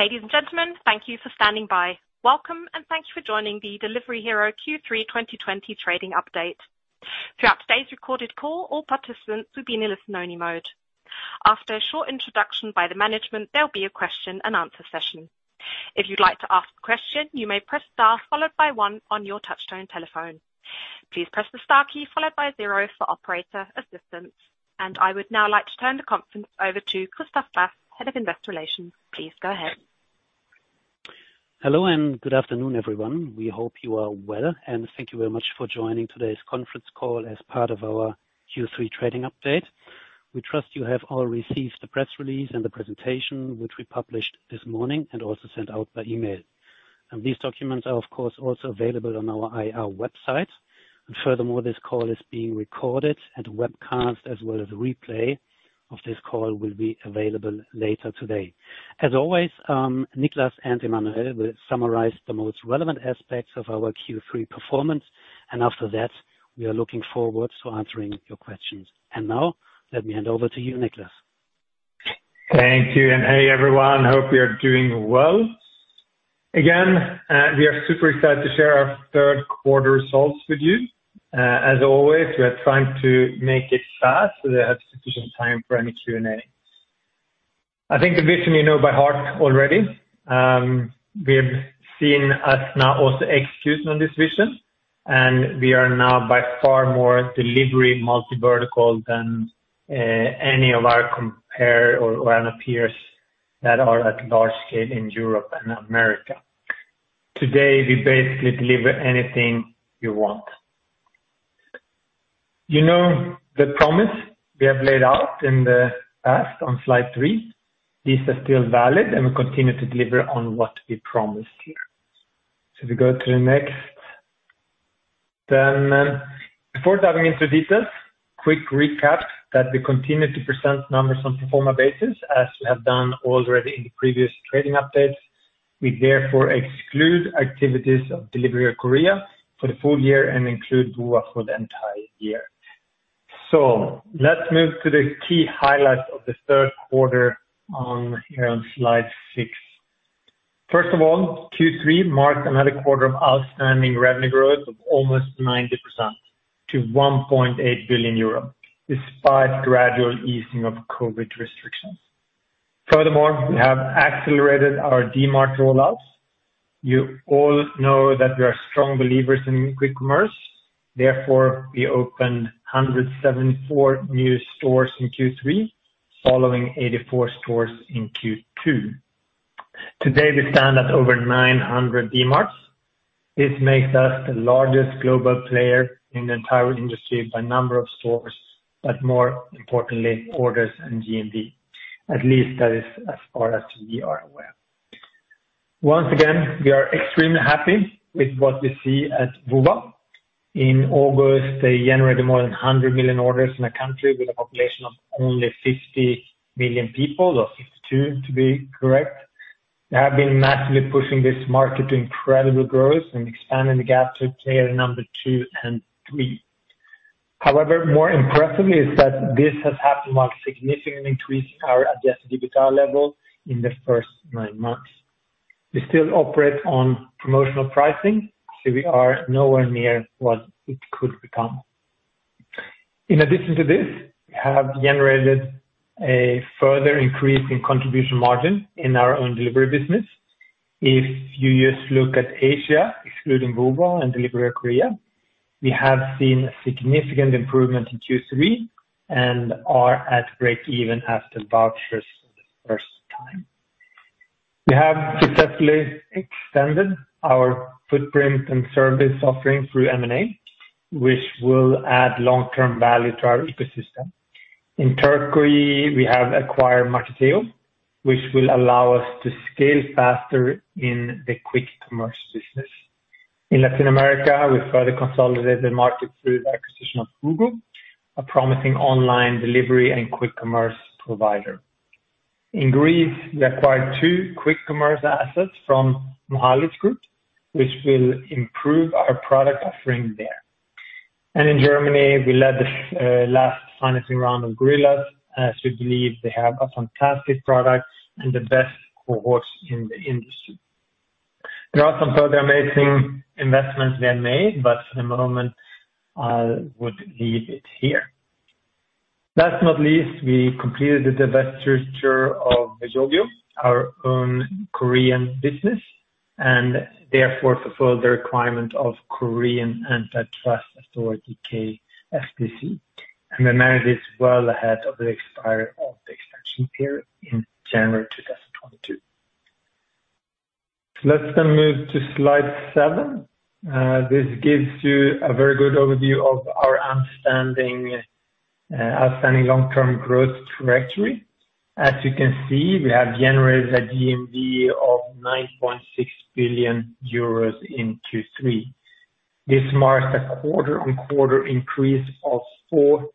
Ladies and gentlemen, thank you for standing by. Welcome, and thank you for joining the Delivery Hero Q3 2021 trading update. Throughout today's recorded call, all participants will be in listen-only mode. After a short introduction by the management, there'll be a question-and-answer session. If you'd like to ask a question, you may press star followed by one on your touchtone telephone. Please press the star key followed by zero for operator assistance. I would now like to turn the conference over to Christoph Bast, Head of Investor Relations. Please go ahead. Hello and good afternoon, everyone. We hope you are well, and thank you very much for joining today's conference call as part of our Q3 trading update. We trust you have all received the press release and the presentation, which we published this morning and also sent out by email. These documents are, of course, also available on our IR website. Furthermore, this call is being recorded and webcast, as well as a replay of this call will be available later today. As always, Niklas and Emmanuel will summarize the most relevant aspects of our Q3 performance, and after that, we are looking forward to answering your questions. Now let me hand over to you, Niklas. Thank you. Hey, everyone, hope you are doing well. Again, we are super excited to share our Q3 results with you. As always, we are trying to make it fast so that we have sufficient time for any Q&A. I think the vision you know by heart already. We have now also executed on this vision, and we are now by far more of a delivery multi-vertical than any of our comps or peers that are at large scale in Europe and America. Today, we basically deliver anything you want. You know the promise we have laid out in the past on slide three; these are still valid, and we continue to deliver on what we promised here. If we go to the next. Before diving into details, quick recap that we continue to present numbers on pro forma basis as we have done already in the previous trading updates. We therefore exclude activities of Delivery Hero Korea for the full year and include Woowa for the entire year. Let's move to the key highlights of the Q3 here on slide six. First of all, Q3 marked another quarter of outstanding revenue growth of almost 90% to 1.8 billion euro, despite gradual easing of COVID restrictions. Furthermore, we have accelerated our Dmart rollouts. You all know that we are strong believers in quick commerce. Therefore, we opened 174 new stores in Q3, following 84 stores in Q2. Today, we stand at over 900 Dmarts. This makes us the largest global player in the entire industry by number of stores, but more importantly, orders and GMV, at least that is as far as we are aware. Once again, we are extremely happy with what we see at Woowa. In August, they generated more than 100 million orders in a country with a population of only 50 million people, or 52 to be correct. They have been massively pushing this market to incredible growth and expanding the gap to player number two and three. However, more impressively is that this has happened while significantly increasing our adjusted EBITDA level in the first nine months. We still operate on promotional pricing, so we are nowhere near what it could become. In addition to this, we have generated a further increase in contribution margin in our own delivery business. If you just look at Asia, excluding Woowa and Delivery Hero Korea, we have seen a significant improvement in Q3 and are at break even after vouchers for the first time. We have successfully extended our footprint and service offering through M&A, which will add long-term value to our ecosystem. In Turkey, we have acquired Marketyo, which will allow us to scale faster in the quick commerce business. In Latin America, we further consolidated the market through the acquisition of hugo, a promising online delivery and quick commerce provider. In Greece, we acquired two quick commerce assets from Mouchalis Group, which will improve our product offering there. In Germany, we led the last financing round of Gorillas, as we believe they have a fantastic product and the best cohorts in the industry. There are some further amazing investments we have made, but for the moment, I would leave it here. Last but not least, we completed the divestiture of Yogiyo, our own Korean business, and therefore fulfilled the requirement of Korea Fair Trade Commission, KFTC, and we managed it well ahead of the expiry of the extension period in January 2022. Let's move to slide seven. This gives you a very good overview of our outstanding long-term growth trajectory. As you can see, we have generated a GMV of 9.6 billion euros in Q3. This marks a quarter-on-quarter increase of 14%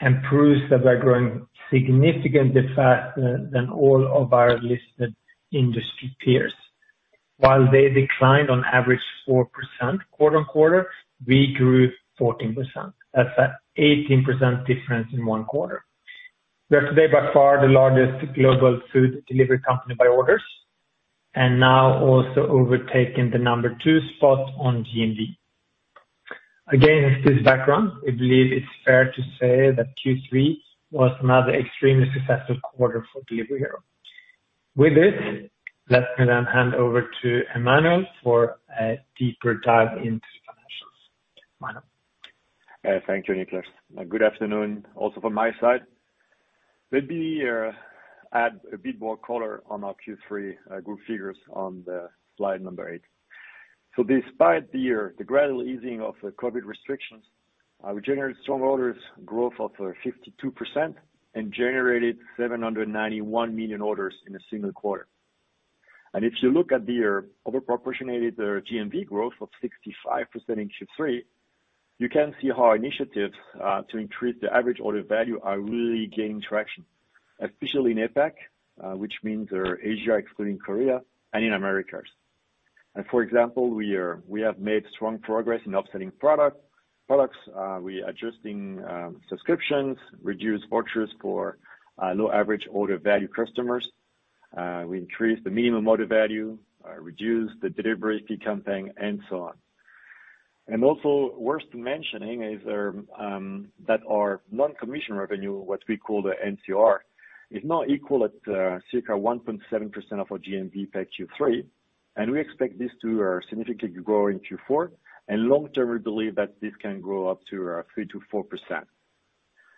and proves that we're growing significantly faster than all of our listed industry peers. While they declined on average 4% quarter on quarter, we grew 14%. That's an 18% difference in one quarter. We are today by far the largest global food delivery company by orders, and now also overtaking the number two spot on GMV. Again, with this background, we believe it's fair to say that Q3 was another extremely successful quarter for Delivery Hero. With this, let me then hand over to Emmanuel for a deeper dive into financials. Emmanuel? Thank you, Niklas. Good afternoon also from my side. Let me add a bit more color on our Q3 group figures on the slide eight. Despite the gradual easing of the COVID restrictions, we generated strong orders growth of 52% and generated 791 million orders in a single quarter. If you look at the over-proportional GMV growth of 65% in Q3, you can see how our initiatives to increase the average order value are really gaining traction, especially in APAC, which means Asia excluding Korea, and in Americas. For example, we have made strong progress in upselling products, adjusting subscriptions, reduced vouchers for low average order value customers. We increased the minimum order value, reduced the delivery fee campaign and so on. Also worth mentioning is that our non-commission revenue, what we call the NCR, is now equal at circa 1.7% of our GMV by Q3, and we expect this to significantly grow in Q4, and long term, we believe that this can grow up to 3%-4%.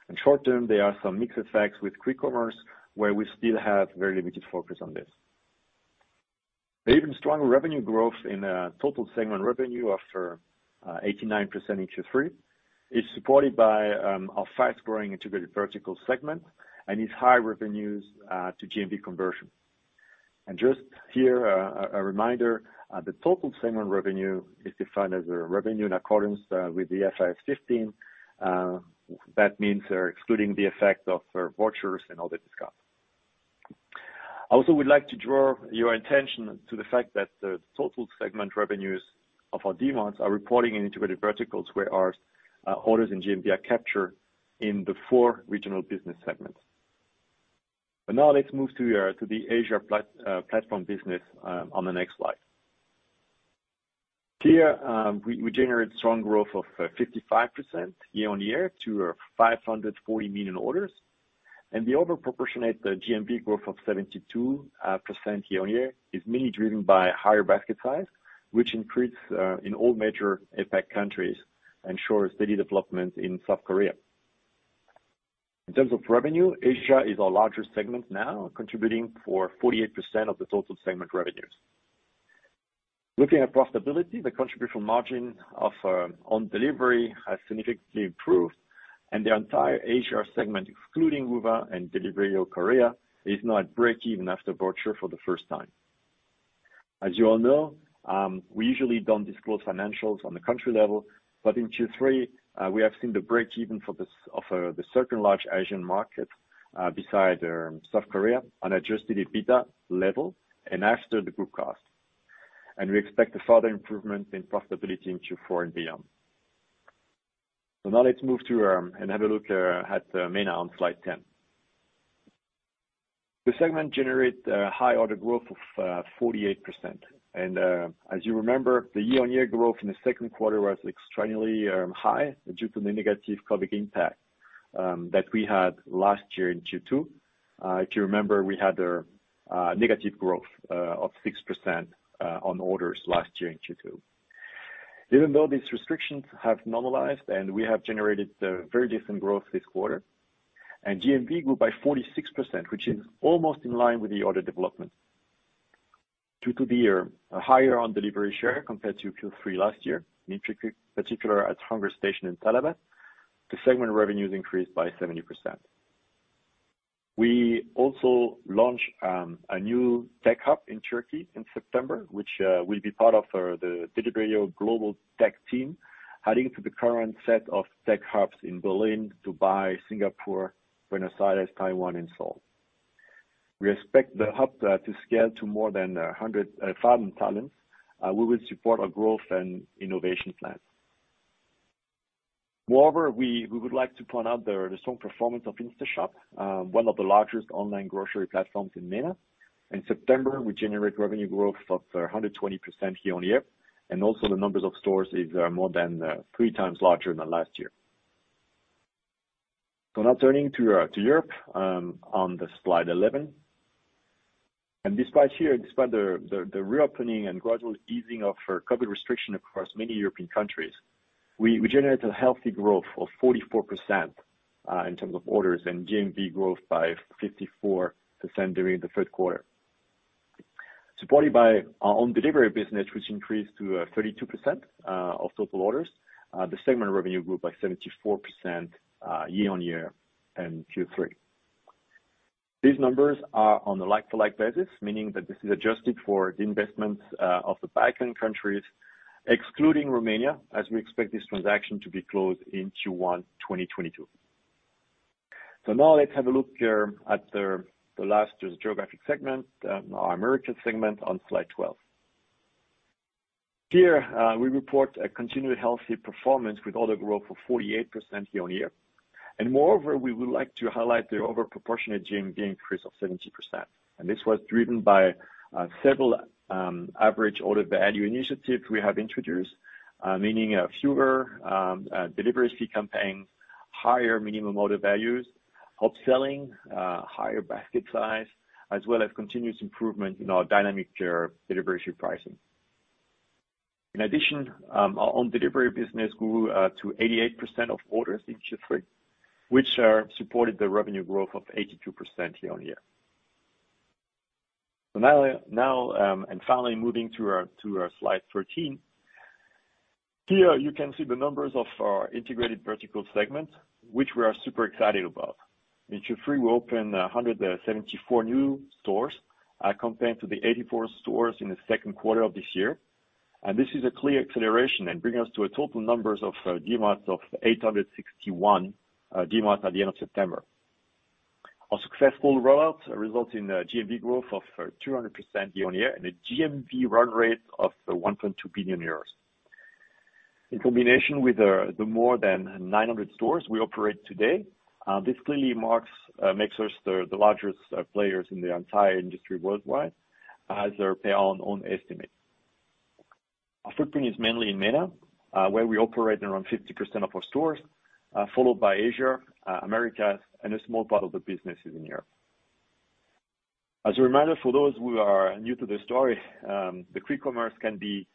In short term, there are some mixed effects with quick commerce, where we still have very limited focus on this. Even stronger revenue growth in total segment revenue of 89% in Q3 is supported by our fast-growing Integrated Verticals segment and its high revenues to GMV conversion. Just here, a reminder, the total segment revenue is defined as the revenue in accordance with the IFRS 15. That means excluding the effect of vouchers and all that is got. I also would like to draw your attention to the fact that the total segment revenues of our Integrated Verticals are reported in Integrated Verticals where our orders in GMV are captured in the four regional business segments. Now let's move to the Asia platform business on the next slide. Here we generate strong growth of 55% year-on-year to 540 million orders. The overproportionate GMV growth of 72% year-on-year is mainly driven by higher basket size, which increased in all major APAC countries and showed steady development in South Korea. In terms of revenue, Asia is our largest segment now, contributing 48% of the total segment revenues. Looking at profitability, the contribution margin of own delivery has significantly improved, and the entire Asia segment, excluding Woowa and Delivery Hero Korea, is now at break-even after voucher for the first time. As you all know, we usually don't disclose financials on the country level, but in Q3 we have seen the break-even of the certain large Asian markets besides South Korea on adjusted EBITDA level and after the group cost. We expect a further improvement in profitability in Q4 and beyond. Now let's move to and have a look at MENA on slide 10. The segment generate high order growth of 48%. As you remember, the year-on-year growth in the Q2 was extraordinarily high due to the negative COVID impact that we had last year in Q2. If you remember, we had a negative growth of 6% on orders last year in Q2. Even though these restrictions have normalized and we have generated a very different growth this quarter, and GMV grew by 46%, which is almost in line with the order development. Due to the higher own delivery share compared to Q3 last year, in particular at HungerStation and talabat, the segment revenues increased by 70%. We also launched a new tech hub in Turkey in September, which will be part of the Delivery Hero global tech team, adding to the current set of tech hubs in Berlin, Dubai, Singapore, Buenos Aires, Taiwan, and Seoul. We expect the hub to scale to more than 500 talents. We will support our growth and innovation plan. Moreover, we would like to point out the strong performance of InstaShop, one of the largest online grocery platforms in MENA. In September, we generate revenue growth of 120% year-over-year, and also the numbers of stores is more than three times larger than last year. Now turning to Europe, on the slide 11. Despite the reopening and gradual easing of COVID restriction across many European countries, we generated a healthy growth of 44% in terms of orders and GMV growth by 54% during the Q3. Supported by our own delivery business, which increased to 32% of total orders, the segment revenue grew by 74% year-on-year in Q3. These numbers are on a like-for-like basis, meaning that this is adjusted for the investments of the Balkan countries, excluding Romania, as we expect this transaction to be closed in Q1 2022. Now let's have a look here at the last year's geographic segment, our America segment on slide 12. Here, we report a continued healthy performance with order growth of 48% year-on-year. Moreover, we would like to highlight the over-proportionate GMV increase of 70%. This was driven by several average order value initiatives we have introduced, meaning fewer delivery fee campaigns, higher minimum order values, upselling, higher basket size, as well as continuous improvement in our dynamic delivery fee pricing. In addition, our own delivery business grew to 88% of orders in Q3, which supported the revenue growth of 82% year on year. Finally moving to our slide thirteen. Here you can see the numbers of our Integrated Verticals segment, which we are super excited about. In Q3 we opened 174 new stores compared to the 84 stores in the Q2 of this year. This is a clear acceleration and bring us to a total number of 861 Dmarts at the end of September. Our successful rollouts result in a GMV growth of 200% year-on-year, and a GMV run rate of 1.2 billion euros. In combination with the more than 900 stores we operate today, this clearly makes us the largest players in the entire industry worldwide as per our own estimate. Our footprint is mainly in MENA, where we operate around 50% of our stores, followed by Asia, America, and a small part of the business is in Europe. As a reminder for those who are new to the story, the quick commerce can be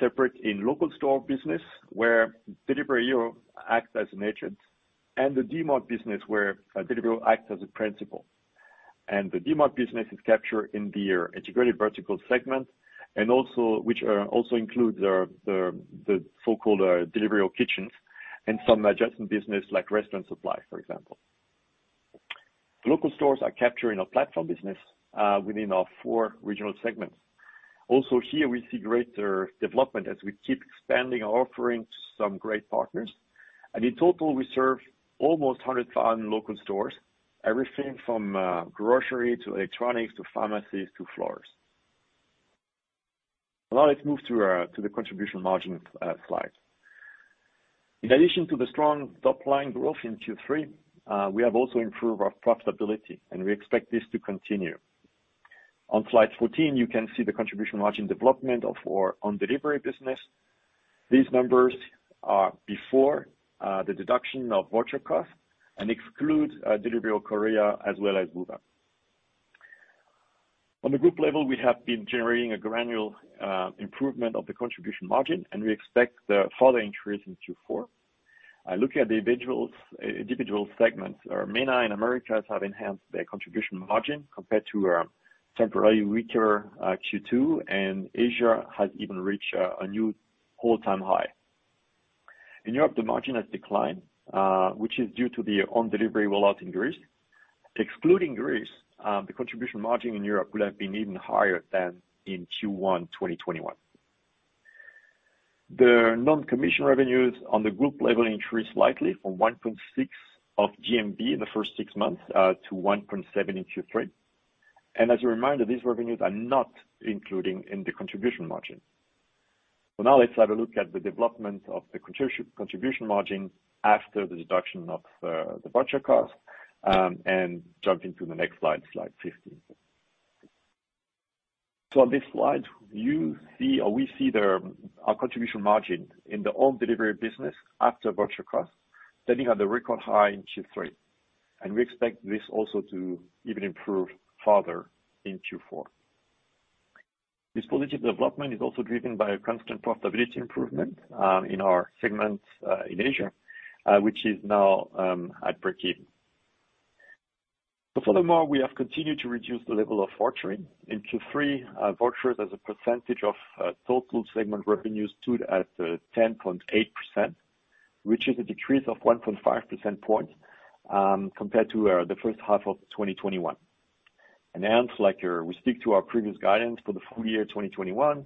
separated into local store business, where Delivery Hero acts as an agent, and the Dmart business where Delivery Hero acts as a principal. The Dmart business is captured in the Integrated Verticals segment, which also includes the so-called Delivery Hero Kitchens and some adjacent business like restaurant supply, for example. Local stores are capturing our platform business within our four regional segments. Also here we see greater development as we keep expanding our offering to some great partners. In total we serve almost 100,000 local stores, everything from grocery to electronics to pharmacies to florists. Now let's move to the contribution margin slide. In addition to the strong top line growth in Q3, we have also improved our profitability, and we expect this to continue. On slide 14, you can see the contribution margin development of our own delivery business. These numbers are before the deduction of voucher cost and excludes Delivery Hero Korea as well as Woowa. On the group level, we have been generating a gradual improvement of the contribution margin and we expect a further increase in Q4. Looking at the individual segments, our MENA and Americas have enhanced their contribution margin compared to our temporarily weaker Q2, and Asia has even reached a new all-time high. In Europe, the margin has declined, which is due to the own delivery rollout in Greece. Excluding Greece, the contribution margin in Europe would have been even higher than in Q1 2021. The non-commission revenues on the group level increased slightly from 1.6% of GMV in the first six months to 1.7% in Q3. As a reminder, these revenues are not including in the contribution margin. Now let's have a look at the development of the contribution margin after the deduction of the voucher cost and jump into the next slide 15. On this slide, you see or we see our contribution margin in the own delivery business after voucher cost, standing at a record high in Q3. We expect this also to even improve further in Q4. This positive development is also driven by a constant profitability improvement in our segments in Asia, which is now at break even. Furthermore, we have continued to reduce the level of vouchering. In Q3, vouchers as a percentage of total segment revenues stood at 10.8%, which is a decrease of 1.5 percentage points compared to the first half of 2021. Hence, like, we stick to our previous guidance for the full year 2021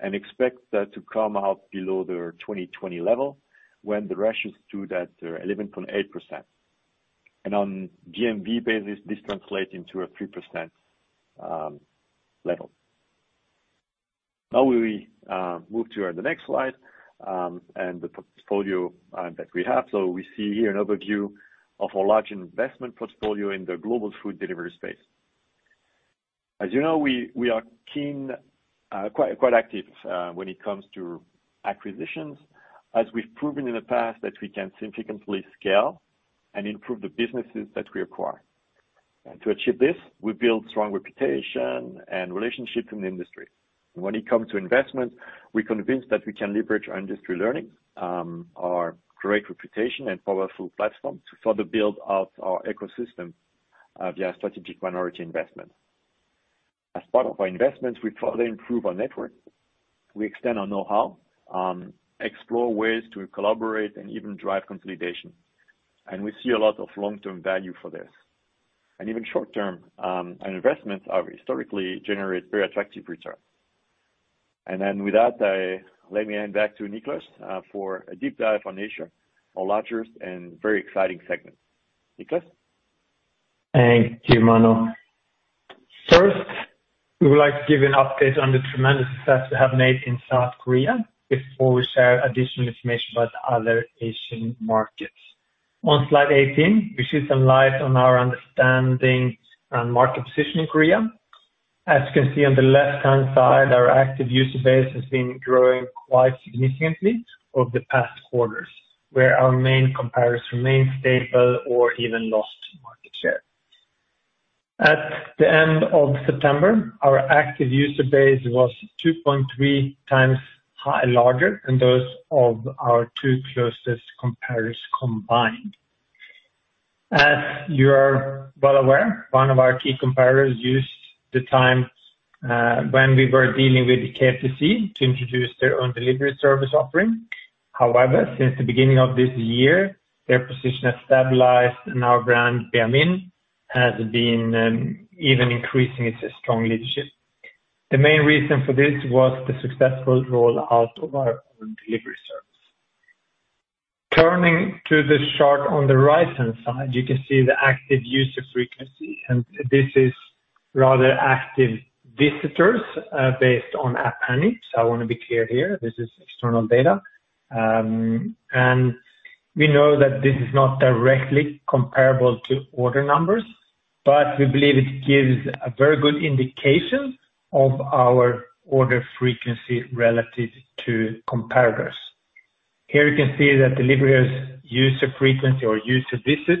and expect that to come out below the 2020 level when the ratios stood at 11.8%. On GMV basis, this translates into a 3% level. Now we move to the next slide and the portfolio that we have. We see here an overview of our large investment portfolio in the global food delivery space. As you know, we are keen quite active when it comes to acquisitions, as we've proven in the past that we can significantly scale and improve the businesses that we acquire. To achieve this, we build strong reputation and relationships in the industry. When it comes to investments, we're convinced that we can leverage our industry learning, our great reputation and powerful platform to further build out our ecosystem via strategic minority investment. As part of our investments, we further improve our network. We extend our know-how, explore ways to collaborate and even drive consolidation. We see a lot of long-term value for this. Even short-term, investments have historically generated very attractive return. With that, let me hand back to Niklas for a deep dive on Asia, our largest and very exciting segment. Niklas? Thank you, Manu. First, we would like to give you an update on the tremendous success we have made in South Korea before we share additional information about other Asian markets. On slide 18, we shed some light on our understanding on market position in Korea. As you can see on the left-hand side, our active user base has been growing quite significantly over the past quarters, where our main competitors remain stable or even lost market share. At the end of September, our active user base was 2.3 times larger than those of our two closest competitors combined. As you are well aware, one of our key competitors used the time, when we were dealing with KFTC to introduce their own delivery service offering. However, since the beginning of this year, their position has stabilized and our brand, Baemin, has been even increasing its strong leadership. The main reason for this was the successful rollout of our own delivery service. Turning to the chart on the right-hand side, you can see the active user frequency. This is rather active visitors based on App Annie. I wanna be clear here, this is external data. We know that this is not directly comparable to order numbers, but we believe it gives a very good indication of our order frequency relative to competitors. Here you can see that delivery user frequency or user visit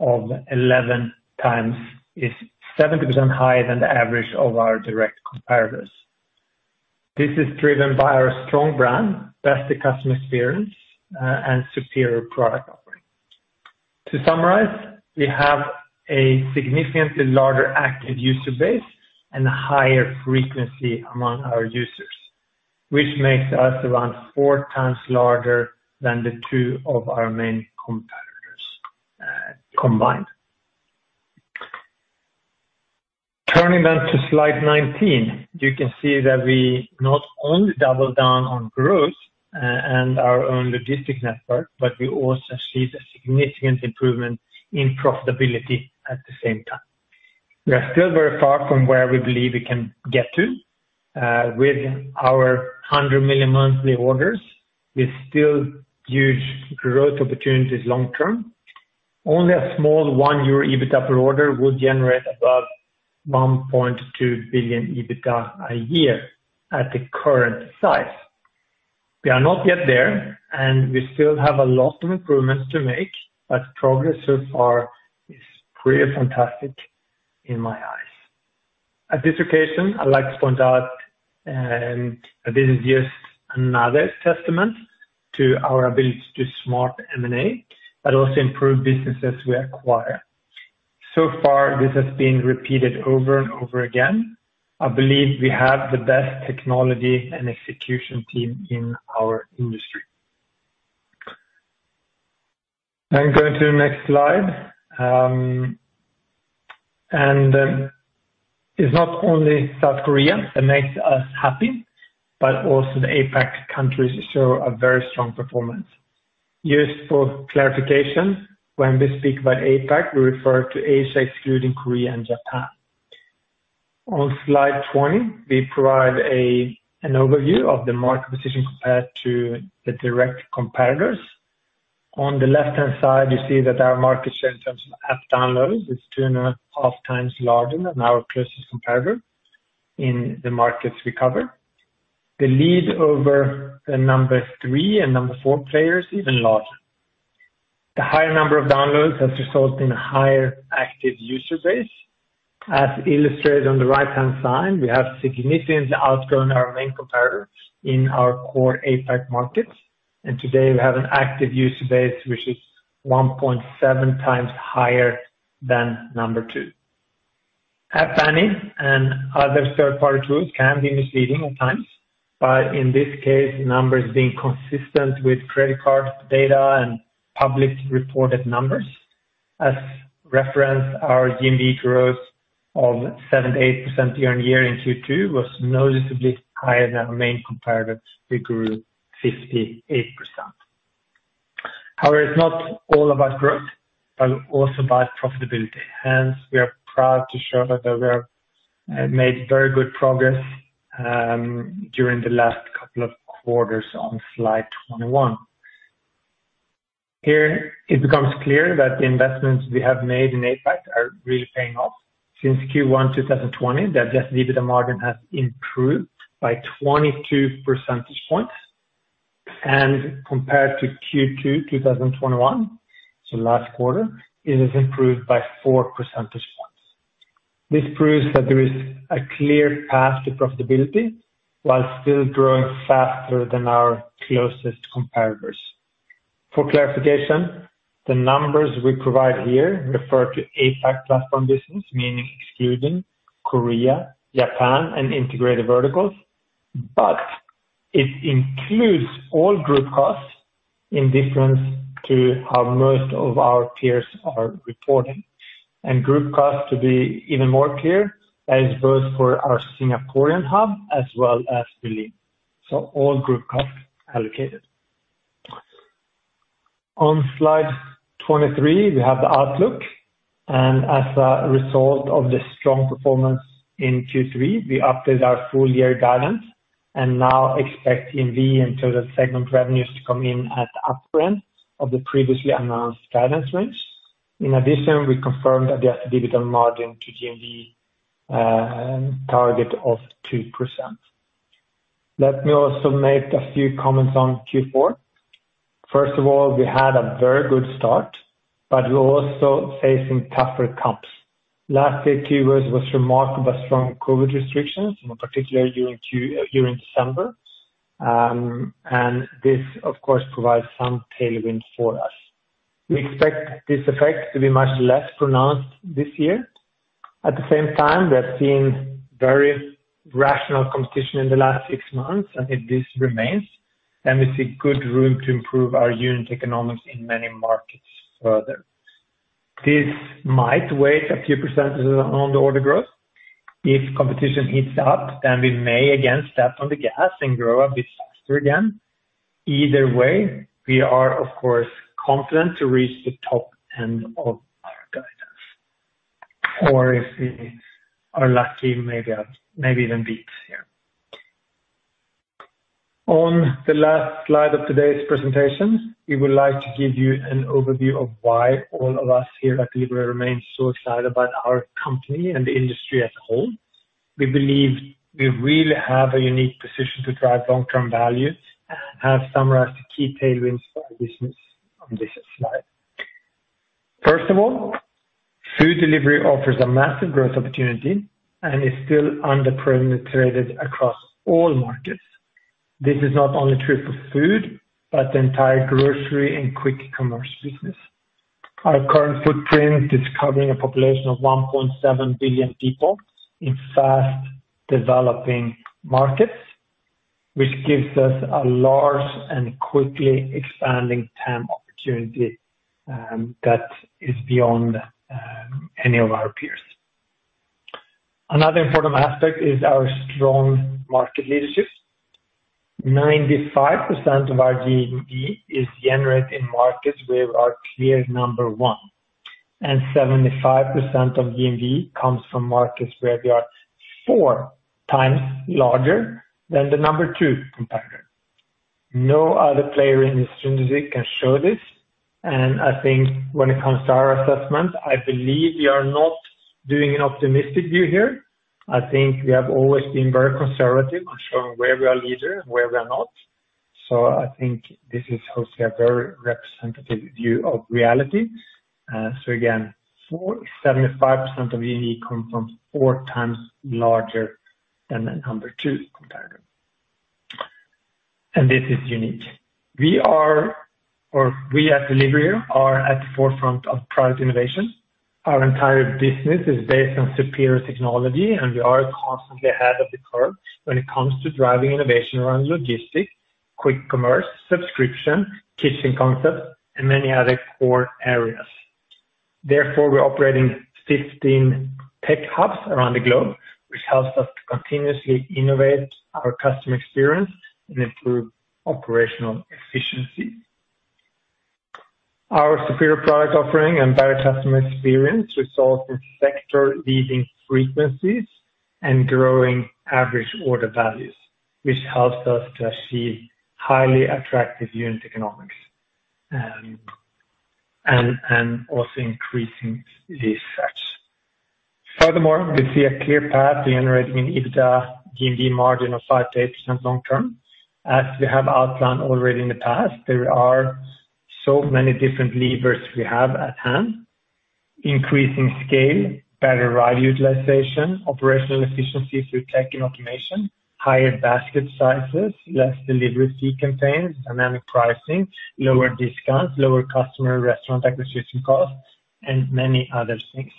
of 11 times is 70% higher than the average of our direct competitors. This is driven by our strong brand, best customer experience, and superior product offering. To summarize, we have a significantly larger active user base and higher frequency among our users, which makes us around four times larger than the two of our main competitors, combined. Turning to slide 19, you can see that we not only double down on growth and our own logistics network, but we also see the significant improvement in profitability at the same time. We are still very far from where we believe we can get to with our 100 million monthly orders with still huge growth opportunities long term. Only a small 1 euro EBITDA per order would generate above 1.2 billion EBITDA a year at the current size. We are not yet there, and we still have a lot of improvements to make, but progress so far is pretty fantastic in my eyes. At this occasion, I'd like to point out, and this is just another testament to our ability to do smart M&A, but also improve businesses we acquire. So far, this has been repeated over and over again. I believe we have the best technology and execution team in our industry. I'm going to the next slide. It's not only South Korea that makes us happy, but also the APAC countries show a very strong performance. Just for clarification, when we speak about APAC, we refer to Asia excluding Korea and Japan. On slide 20, we provide an overview of the market position compared to the direct competitors. On the left-hand side, you see that our market share in terms of app downloads is 2.5 times larger than our closest competitor in the markets we cover. The lead over the number three and number four player is even larger. The higher number of downloads has resulted in a higher active user base. As illustrated on the right-hand side, we have significantly outgrown our main competitor in our core APAC markets, and today we have an active user base which is 1.7 times higher than number two. App Annie and other third-party tools can be misleading at times, but in this case, the numbers being consistent with credit card data and public reported numbers. As referenced, our GMV growth of 78% year on year in Q2 was noticeably higher than our main competitor's. We grew 58%. However, it's not all about growth, but also about profitability. Hence, we are proud to show that we have made very good progress during the last couple of quarters on slide 21. Here it becomes clear that the investments we have made in APAC are really paying off. Since Q1 2020, the adjusted EBITDA margin has improved by 22 percentage points. Compared to Q2 2021, so last quarter, it has improved by four percentage points. This proves that there is a clear path to profitability while still growing faster than our closest competitors. For clarification, the numbers we provide here refer to APAC platform business, meaning excluding Korea, Japan and Integrated Verticals. It includes all group costs in contrast to how most of our peers are reporting. Group costs to be even more clear as both for our Singaporean hub as well as Berlin. All group costs allocated. On slide 23, we have the outlook and as a result of the strong performance in Q3, we update our full year guidance and now expect GMV and total segment revenues to come in at the upper end of the previously announced guidance range. In addition, we confirmed the adjusted EBITDA margin to GMV target of 2%. Let me also make a few comments on Q4. First of all, we had a very good start, but we're also facing tougher comps. Last year, Q4 was marked by strong COVID restrictions, in particular during December. This of course provides some tailwind for us. We expect this effect to be much less pronounced this year. At the same time, we have seen very rational competition in the last six months, and if this remains, then we see good room to improve our unit economics in many markets further. This might weigh a few percentages on the order growth. If competition heats up, then we may again step on the gas and grow a bit faster again. Either way, we are of course, confident to reach the top end of our guidance. If we are lucky, maybe even beats here. On the last slide of today's presentation, we would like to give you an overview of why all of us here at Delivery Hero remain so excited about our company and the industry as a whole. We believe we really have a unique position to drive long-term value and have summarized the key tailwinds for our business on this slide. First of all, food delivery offers a massive growth opportunity and is still underpenetrated across all markets. This is not only true for food, but the entire grocery and quick commerce business. Our current footprint is covering a population of 1.7 billion people in fast developing markets, which gives us a large and quickly expanding TAM opportunity, that is beyond any of our peers. Another important aspect is our strong market leadership. 95% of our GMV is generated in markets where we are clear number one, and 75% of GMV comes from markets where we are 4x larger than the number two competitor. No other player in this industry can show this, and I think when it comes to our assessment, I believe we are not doing an optimistic view here. I think we have always been very conservative on showing where we are leader and where we are not. I think this is also a very representative view of reality. 75% of GMV comes from markets where we are four times larger than the number two competitor. This is unique. We at Delivery Hero are at the forefront of product innovation. Our entire business is based on superior technology, and we are constantly ahead of the curve when it comes to driving innovation around logistics, quick commerce, subscription, kitchen concepts, and many other core areas. Therefore, we are operating 15 tech hubs around the globe, which helps us to continuously innovate our customer experience and improve operational efficiency. Our superior product offering and better customer experience result in sector-leading frequencies and growing average order values, which helps us to achieve highly attractive unit economics, and also increasing the stats. Furthermore, we see a clear path to generating an EBITDA GMV margin of 5%-8% long-term. As we have outlined already in the past, there are so many different levers we have at hand. Increasing scale, better ride utilization, operational efficiency through tech and automation, higher basket sizes, less delivery fee contained, dynamic pricing, lower discounts, lower customer restaurant acquisition costs, and many other things.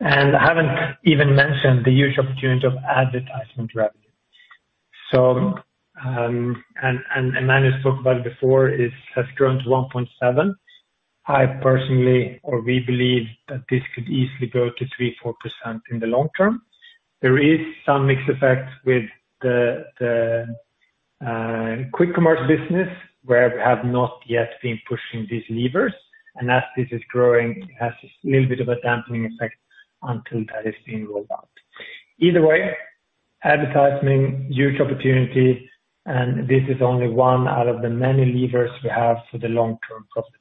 I haven't even mentioned the huge opportunity of advertisement revenue. Manu spoke about it before has grown to 1.7. I personally or we believe that this could easily go to 3%-4% in the long-term. There is some mixed effects with the quick commerce business where we have not yet been pushing these levers, and as this is growing, it has a little bit of a dampening effect until that is being rolled out. Either way, advertising, huge opportunity, and this is only one out of the many levers we have for the long-term profit.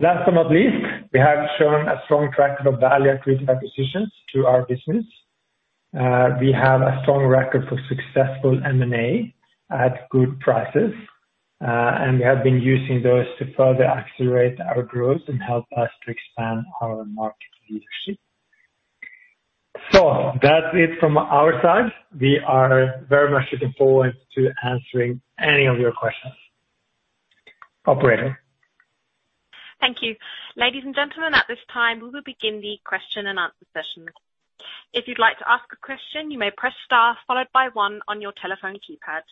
Last but not least, we have shown a strong track record of value accretive acquisitions to our business. We have a strong record for successful M&A at good prices, and we have been using those to further accelerate our growth and help us to expand our market leadership. That's it from our side. We are very much looking forward to answering any of your questions. Operator? Thank you. Ladies and gentlemen, at this time we will begin the question-and-answer session. If you'd like to ask a question, you may press star followed by one on your telephone keypad.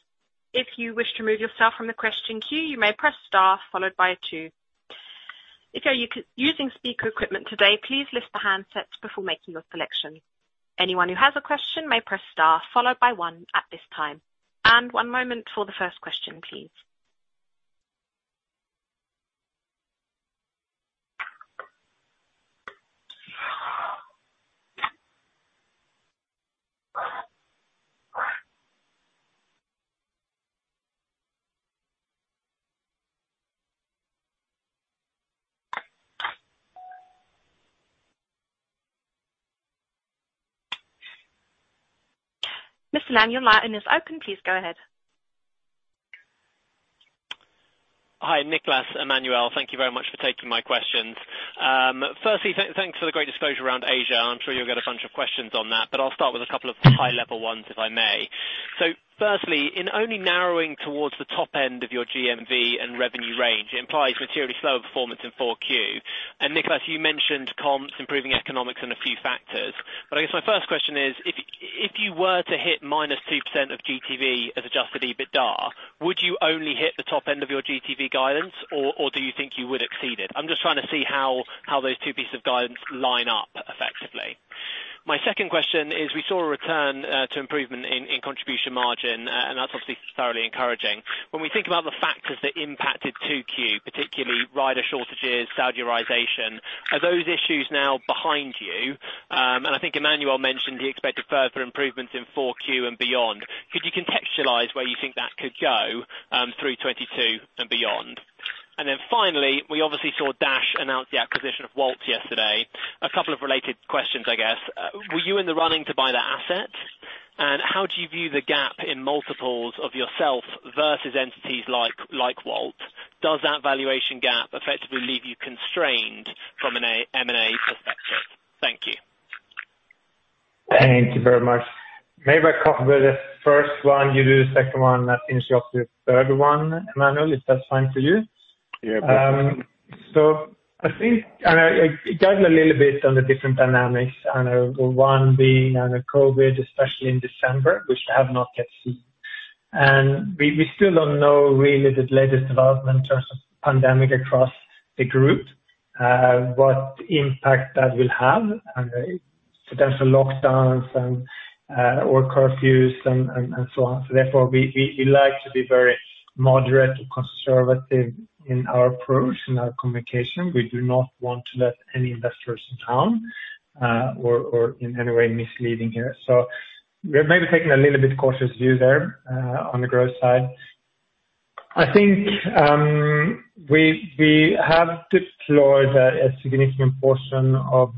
If you wish to remove yourself from the question queue, you may press star followed by a two. If you're using speaker equipment today, please lift the handsets before making your selection. Anyone who has a question may press star followed by one at this time. One moment for the first question, please. Joseph Barnet-Lamb, your line is open. Please go ahead. Hi, Niklas, Emmanuel, thank you very much for taking my questions. Firstly, thanks for the great disclosure around Asia. I'm sure you'll get a bunch of questions on that, but I'll start with a couple of high level ones, if I may. Firstly, in only narrowing towards the top end of your GMV and revenue range, it implies materially slower performance in Q4. Niklas, you mentioned comps, improving economics and a few factors. I guess my first question is if you were to hit -2% of GMV as adjusted EBITDA, would you only hit the top end of your GMV guidance or do you think you would exceed it? I'm just trying to see how those two pieces of guidance line up effectively. My second question is we saw a return to improvement in contribution margin, and that's obviously thoroughly encouraging. When we think about the factors that impacted 2Q, particularly rider shortages, Saudization, are those issues now behind you? I think Emmanuel mentioned he expected further improvements in 4Q and beyond. Could you contextualize where you think that could go through 2022 and beyond? Finally, we obviously saw DoorDash announce the acquisition of Wolt yesterday. A couple of related questions, I guess. Were you in the running to buy that asset? How do you view the gap in multiples of yourself versus entities like Wolt? Does that valuation gap effectively leave you constrained from an M&A perspective? Thank you. Thank you very much. Maybe I cover the first one, you do the second one, and finish off with the third one, Emmanuel, if that's fine for you. Yeah. I think I dive a little bit on the different dynamics. I know one being, you know, COVID, especially in December, which I have not yet seen. We still don't know really the latest development in terms of pandemic across the group, what impact that will have and potential lockdowns and or curfews and so on. Therefore we like to be very moderate and conservative in our approach, in our communication. We do not want to let any investors down, or in any way misleading here. We are maybe taking a little bit cautious view there, on the growth side. I think we have deployed a significant portion of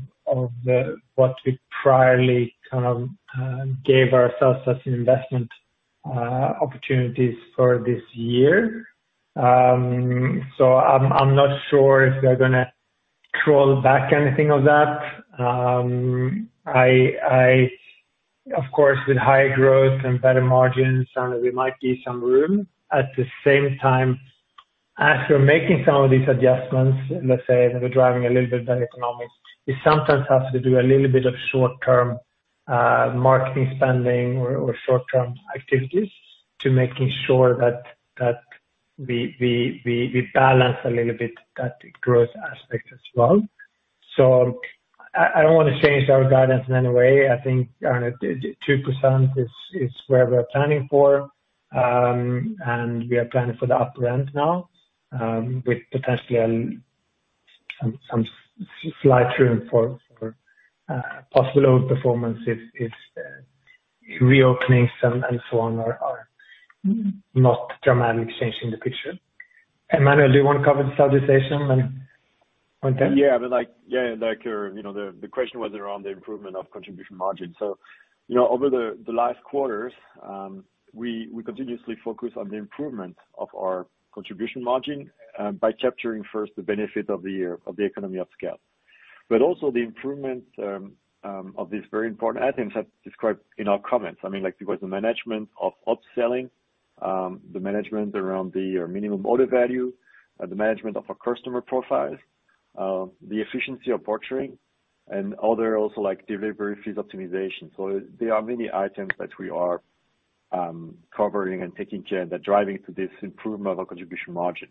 the, what we priorly kind of gave ourselves as investment opportunities for this year. I'm not sure if they're gonna crawl back anything of that. Of course, with higher growth and better margins, we might give some room. At the same time as we're making some of these adjustments, let's say we're driving a little bit of the economics, we sometimes have to do a little bit of short-term marketing spending or short-term activities to make sure that we balance a little bit that growth aspect as well. I don't wanna change our guidance in any way. I think 2% is where we're planning for, and we are planning for the upper end now, with potentially some flow-through for possible overperformance if reopenings and so on are not dramatically changing the picture. Emmanuel, do you want to cover the Saudization and that? Yeah. Like, yeah, like your, you know, the question was around the improvement of contribution margin. You know, over the last quarters, we continuously focus on the improvement of our contribution margin by capturing first the benefit of the economy of scale. Also the improvements of these very important items I've described in our comments. I mean, like it was the management of upselling, the management around the minimum order value, the management of our customer profiles, the efficiency of partnering and other also like delivery fees optimization. There are many items that we are covering and taking care and they're driving to this improvement of contribution margin.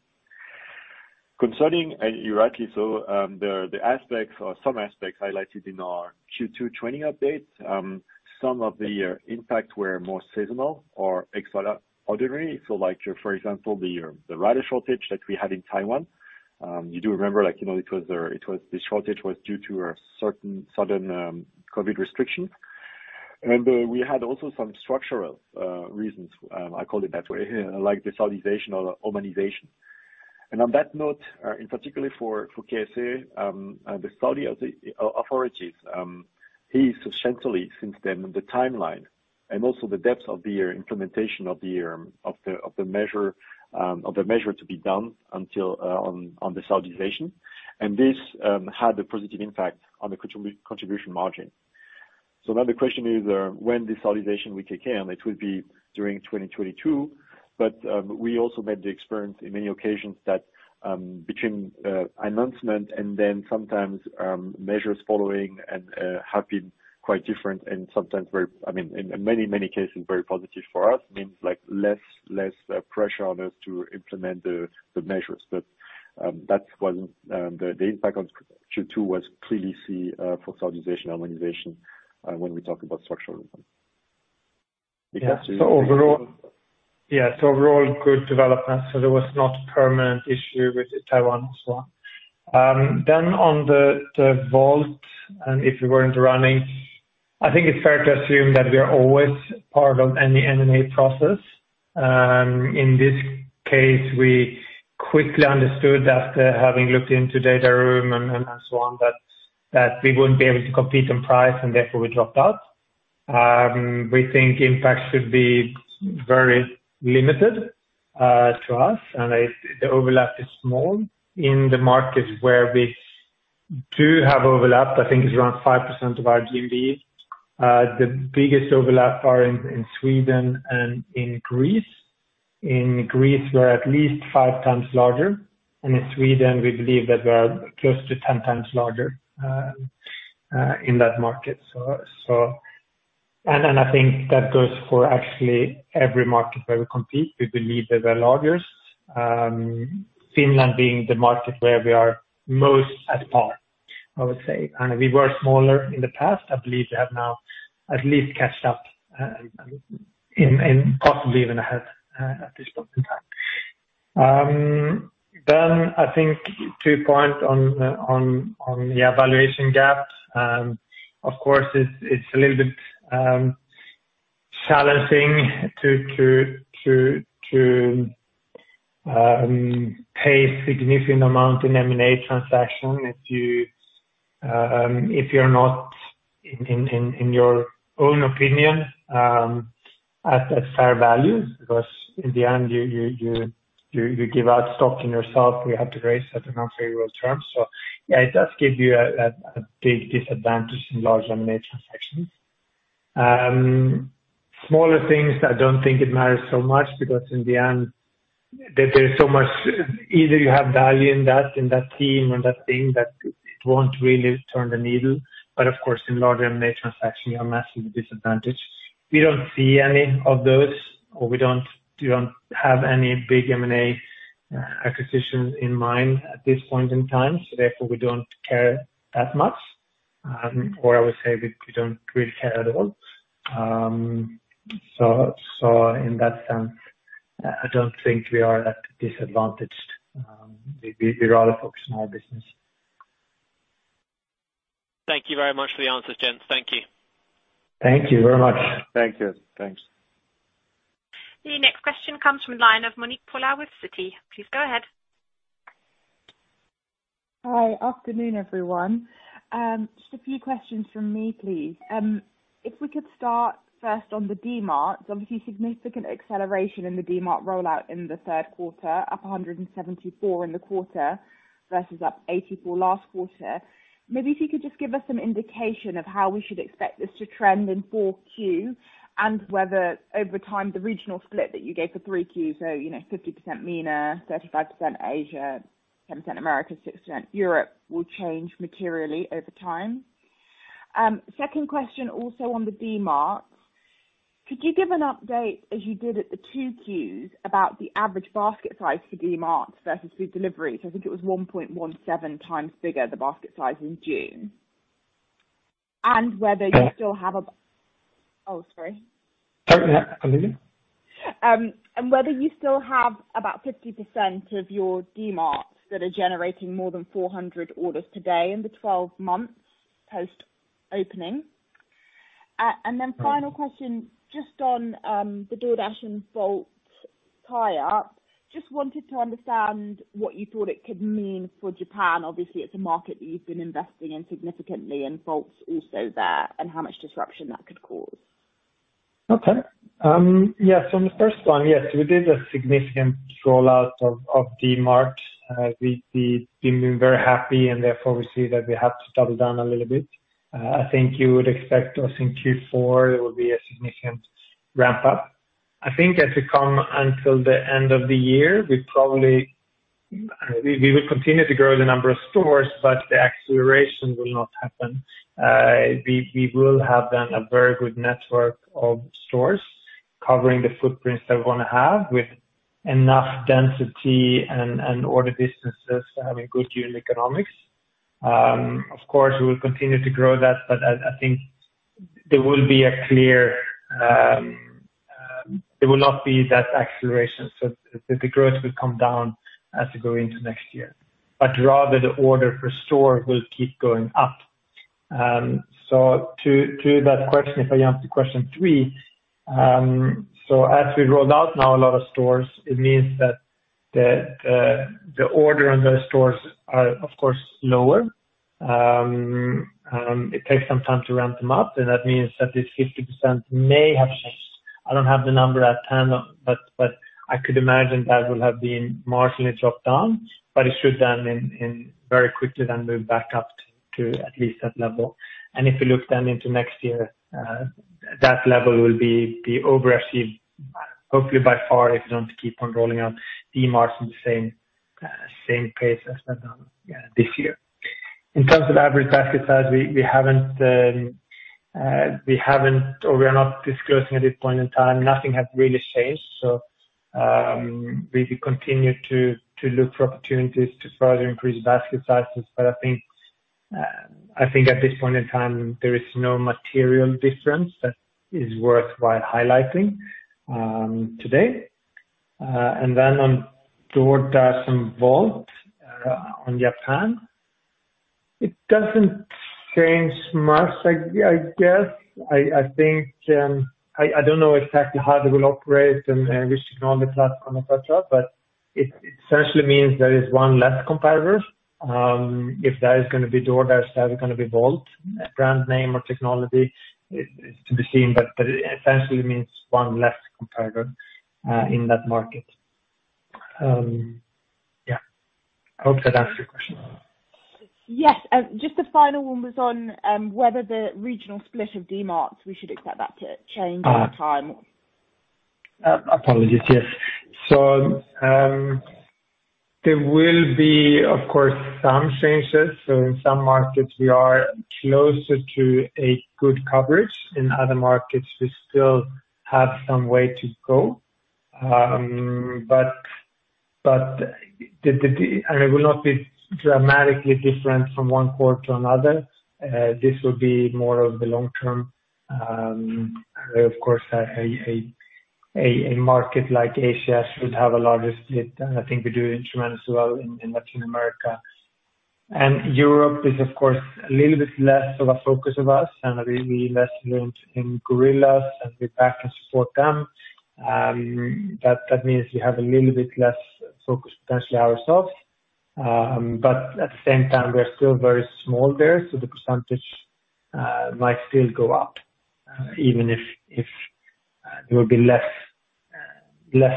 Concerning, you're right, the aspects or some aspects highlighted in our Q2 2020 update, some of the impact were more seasonal or extraordinary. Like, for example, the rider shortage that we had in Taiwan, you do remember like, you know, it was the shortage was due to a certain sudden COVID restriction. Remember we had also some structural reasons, I call it that way, like the Saudization or Omanization. On that note, in particular for KSA, the Saudi authorities substantially since then the timeline and also the depth of the implementation of the measure to be done until on the Saudization. This had a positive impact on the contribution margin. Now the question is, when this consolidation will kick in, it will be during 2022. We also made the experience in many occasions that, between announcement and then sometimes measures following and have been quite different and sometimes very, I mean, in many cases, very positive for us. Means, like, less pressure on us to implement the measures. That was the impact on Q2 was clearly see for consolidation, organization, when we talk about structural. Yeah. Overall good development, there was not permanent issue with Taiwan and so on. Then on the Wolt, and if you're wondering, I think it's fair to assume that we are always part of any M&A process. In this case, we quickly understood that having looked into data room and so on, that we wouldn't be able to compete on price and therefore we dropped out. We think impact should be very limited to us. The overlap is small in the markets where we do have overlap, I think it's around 5% of our GMV. The biggest overlap are in Sweden and in Greece. In Greece, we're at least five times larger. In Sweden, we believe that we're close to ten times larger in that market. I think that goes for actually every market where we compete. We believe that we're largest. Finland being the market where we are most at par, I would say. We were smaller in the past. I believe we have now at least caught up in possibly even ahead at this point in time. I think two points on the valuation gap. Of course, it's a little bit challenging to pay significant amount in M&A transaction if you're not in your own opinion at fair value, because in the end, you give out stock in yourself, you have to raise at unfavorable terms. It does give you a big disadvantage in large M&A transactions. Smaller things that don't think it matters so much because in the end there is so much. Either you have value in that team or that thing that it won't really turn the needle. Of course, in large M&A transaction, you're massively disadvantaged. We don't see any of those, or we don't have any big M&A acquisitions in mind at this point in time, therefore we don't care that much. Or I would say we don't really care at all. In that sense, I don't think we are disadvantaged. We'd rather focus on our business. Thank you very much for the answers, gents. Thank you. Thank you very much. Thank you. Thanks. The next question comes from the line of Monique Pollard with Citi. Please go ahead. Hi. Afternoon, everyone. Just a few questions from me, please. If we could start first on the DMart. Obviously significant acceleration in the DMart rollout in the Q3, up 174 in the quarter versus up 84 last quarter. Maybe if you could just give us some indication of how we should expect this to trend in 4Q and whether over time, the regional split that you gave for 3Q, so, you know, 50% MENA, 35% Asia, 10% Americas, 6% Europe will change materially over time. Second question, also on the DMart. Could you give an update as you did at the 2Q about the average basket size for DMart versus food delivery? So I think it was 1.17 times bigger the basket size in June. Whether you still have a- Uh. Oh, sorry. Sorry. Come again. Whether you still have about 50% of your Dmart that are generating more than 400 orders today in the 12 months post-opening. Final question, just on the DoorDash and Wolt tie-up. Just wanted to understand what you thought it could mean for Japan. Obviously, it's a market that you've been investing in significantly and Wolt's also there, and how much disruption that could cause. Okay. On the first one, yes, we did a significant rollout of Dmart. We've been very happy and therefore we see that we have to double down a little bit. I think you would expect us in Q4, there will be a significant ramp up. I think as we come until the end of the year, we will continue to grow the number of stores, but the acceleration will not happen. We will have then a very good network of stores covering the footprints that we wanna have with enough density and order distances to having good unit economics. Of course, we will continue to grow that, but I think there will not be that acceleration. The growth will come down as we go into next year. Rather the order per store will keep going up. To that question, if I answer question three, as we rolled out a lot of stores now, it means that the order in those stores are of course lower. It takes some time to ramp them up, and that means that this 50% may have shifted. I don't have the number at hand, but I could imagine that will have been marginally dropped down, but it should then very quickly move back up to at least that level. If you look then into next year, that level will be overachieved, hopefully by far, if you don't keep on rolling out at the same pace as this year. In terms of average basket size, we haven't or we are not disclosing at this point in time, nothing has really changed. So, we continue to look for opportunities to further increase basket sizes. But I think at this point in time there is no material difference that is worthwhile highlighting today. Then on DoorDash and Wolt, on Japan, it doesn't change much I guess. I think I don't know exactly how they will operate and which technology platform, et cetera, but it essentially means there is one less competitor. If that is gonna be DoorDash, that is gonna be Wolt, brand name or technology is to be seen, but it essentially means one less competitor in that market. Yeah. I hope that answers your question. Yes. Just the final one was on whether the regional split of DMart, we should expect that to change over time. Apologies. Yes. There will be of course some changes. In some markets we are closer to a good coverage. In other markets, we still have some way to go. But it will not be dramatically different from one quarter to another. This will be more of the long-term. Of course a market like Asia should have a large split. I think we do in Germany as well, in Latin America. Europe is of course a little bit less of a focus of us and we invest less in Gorillas and we back and support them. That means we have a little bit less focus potentially ourselves. At the same time, we are still very small there, so the percentage might still go up, even if there will be less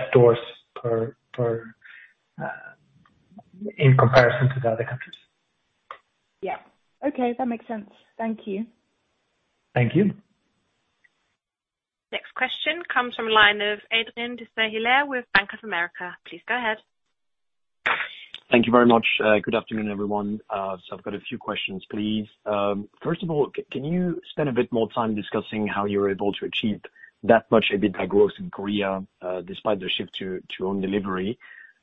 stores per in comparison to the other countries. Yeah. Okay, that makes sense. Thank you. Thank you. Next question comes from a line of Adrian de Saint Hilaire with Bank of America. Please go ahead. Thank you very much. Good afternoon, everyone. So I've got a few questions, please. First of all, can you spend a bit more time discussing how you're able to achieve that much EBITDA growth in Korea, despite the shift to own delivery?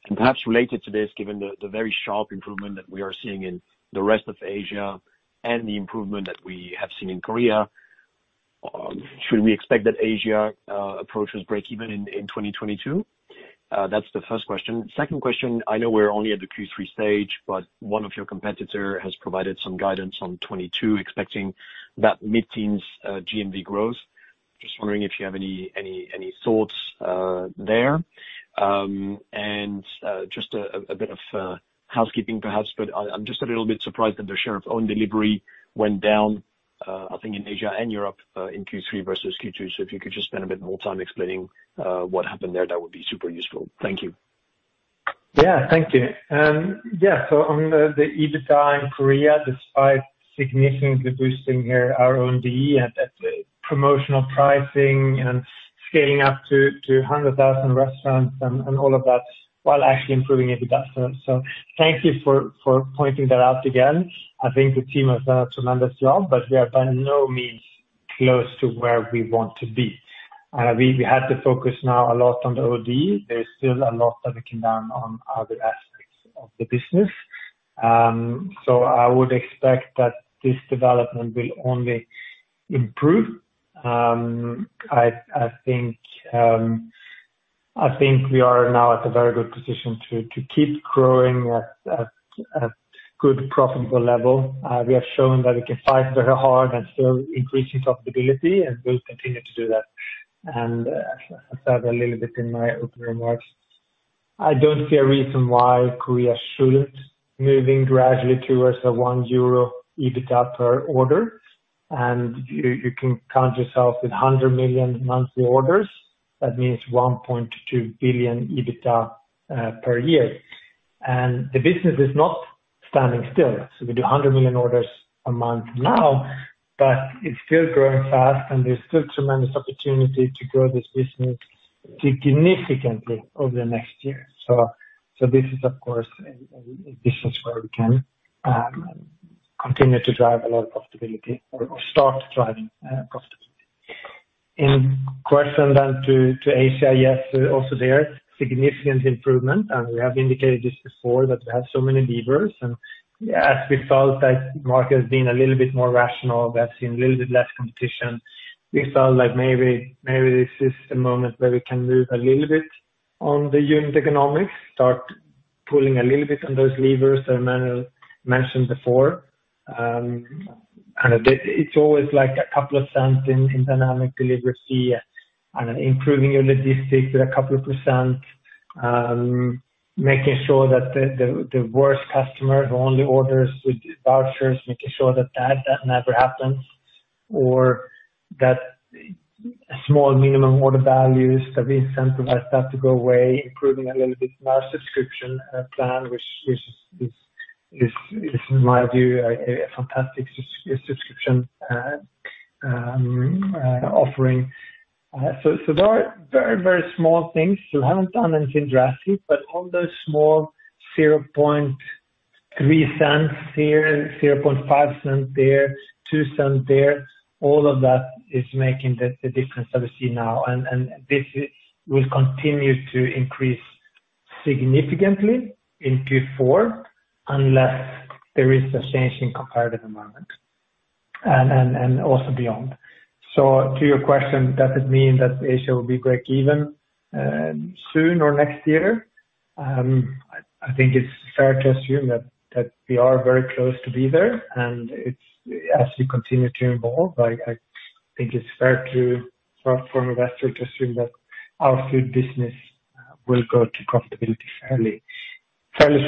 And perhaps related to this, given the very sharp improvement that we are seeing in the rest of Asia and the improvement that we have seen in Korea, should we expect that Asia approaches break even in 2022? That's the first question. Second question. I know we're only at the Q3 stage, but one of your competitor has provided some guidance on 2022, expecting that mid-teens% GMV growth. Just wondering if you have any thoughts there. Just a bit of housekeeping perhaps, but I'm just a little bit surprised that the share of own delivery went down, I think in Asia and Europe, in Q3 versus Q2. If you could just spend a bit more time explaining what happened there, that would be super useful. Thank you. Thank you. On the EBITDA in Korea, despite significantly boosting our own OD and the promotional pricing and scaling up to 100,000 restaurants and all of that while actually improving EBITDA. Thank you for pointing that out again. I think the team has done a tremendous job, but we are by no means close to where we want to be. We had to focus now a lot on the OD. There's still a lot that we can learn on other aspects of the business. I would expect that this development will only improve. I think we are now at a very good position to keep growing at good profitable level. We have shown that we can fight very hard and still increasing profitability, and we'll continue to do that. I said a little bit in my opening remarks. I don't see a reason why Korea shouldn't be moving gradually towards the 1 euro EBITDA per order. You can count with 100 million monthly orders. That means 1.2 billion EBITDA per year. The business is not standing still. We do 100 million orders a month now, but it's still growing fast and there's still tremendous opportunity to grow this business significantly over the next year. So this is of course a business where we can continue to drive a lot of profitability or start driving profitability. To Asia, yes, also there significant improvement, and we have indicated this before, that we have so many levers. As we felt like market has been a little bit more rational, we have seen a little bit less competition. We felt like maybe this is the moment where we can move a little bit on the unit economics, start pulling a little bit on those levers that Manu mentioned before. It’s always like a couple of cents in dynamic delivery and improving your logistics with a couple of %. Making sure that the worst customer who only orders with vouchers never happens or that small minimum order values that we incentivize to go away, improving a little bit in our subscription plan, which is, in my view, a fantastic subscription offering. Very small things. We haven't done anything drastic, but on those small 0.003 here and 0.005 there, 0.02 there, all of that is making the difference that we see now. This will continue to increase significantly in Q4 unless there is a change in competitive environment and also beyond. To your question, does it mean that Asia will be breakeven soon or next year? I think it's fair to assume that we are very close to be there, and as we continue to evolve, I think it's fair for an investor to assume that our food business will go to profitability fairly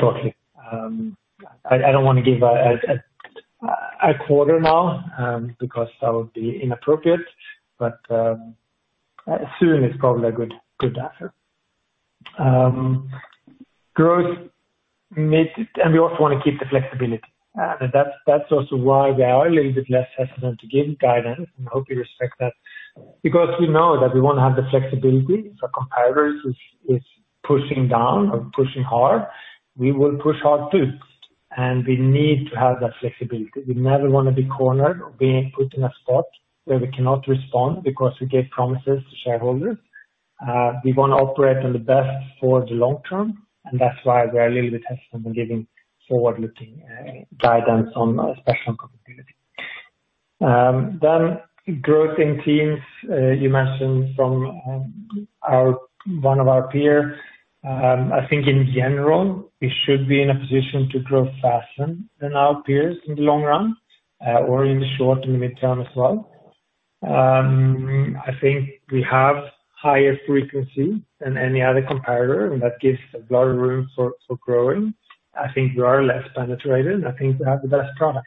shortly. I don't wanna give a quarter now, because that would be inappropriate, but soon is probably a good answer. And we also wanna keep the flexibility. That's also why we are a little bit less hesitant to give guidance. I hope you respect that. Because we know that we wanna have the flexibility. Competitors is pushing down and pushing hard. We will push hard too, and we need to have that flexibility. We never wanna be cornered or being put in a spot where we cannot respond because we gave promises to shareholders. We wanna operate on the best for the long term, and that's why we are a little bit hesitant in giving forward-looking guidance on specific competitiveness. Then growth in terms you mentioned from one of our peer. I think in general, we should be in a position to grow faster than our peers in the long run or in the short and the medium term as well. I think we have higher frequency than any other competitor, and that gives a lot of room for growing. I think we are less penetrated. I think we have the best product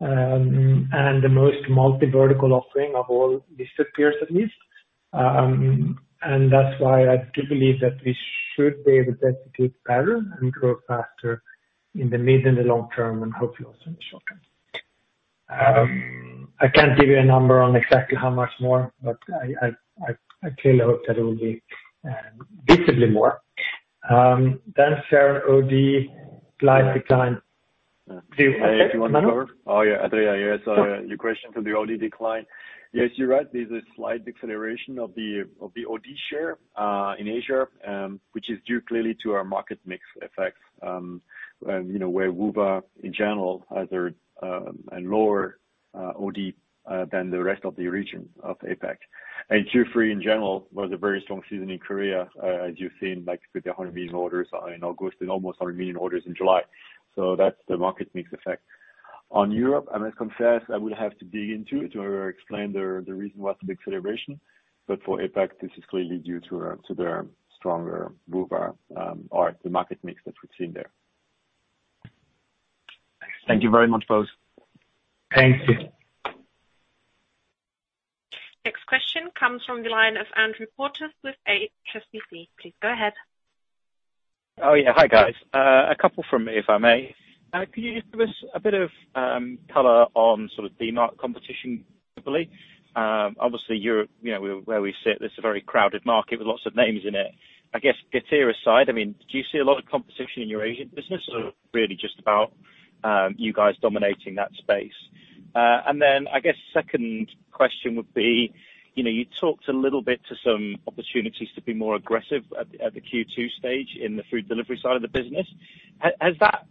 and the most multi-vertical offering of all listed peers at least. That's why I do believe that we should be able to execute better and grow faster in the mid and the long term, and hopefully also in the short term. I can't give you a number on exactly how much more, but I clearly hope that it will be visibly more. Share, OD slight decline. Yeah. Do you want to cover? Oh, yeah. Sorry. Your question from the OD decline. Yes, you're right. There's a slight acceleration of the OD share in Asia, which is due clearly to our market mix effect, you know, where Woowa in general has a lower OD than the rest of the region of APAC. Q3 in general was a very strong season in Korea, as you've seen, like with the 100 million orders in August and almost one million orders in July. So that's the market mix effect. On Europe, I must confess, I would have to dig into it to explain the reason for the acceleration. But for APAC, this is clearly due to the stronger Woowa or the market mix that we've seen there. Thank you very much, both. Thank you. Next question comes from the line of Andrew Porteous with HSBC. Please go ahead. Oh, yeah. Hi, guys. A couple from me, if I may. Could you just give us a bit of color on sort of the Dmart competition, probably? Obviously, you know, where we sit, it's a very crowded market with lots of names in it. I guess, Getir aside, I mean, do you see a lot of competition in your Asian business or really just about you guys dominating that space? And then I guess second question would be, you know, you talked a little bit to some opportunities to be more aggressive at the Q2 stage in the food delivery side of the business. Has that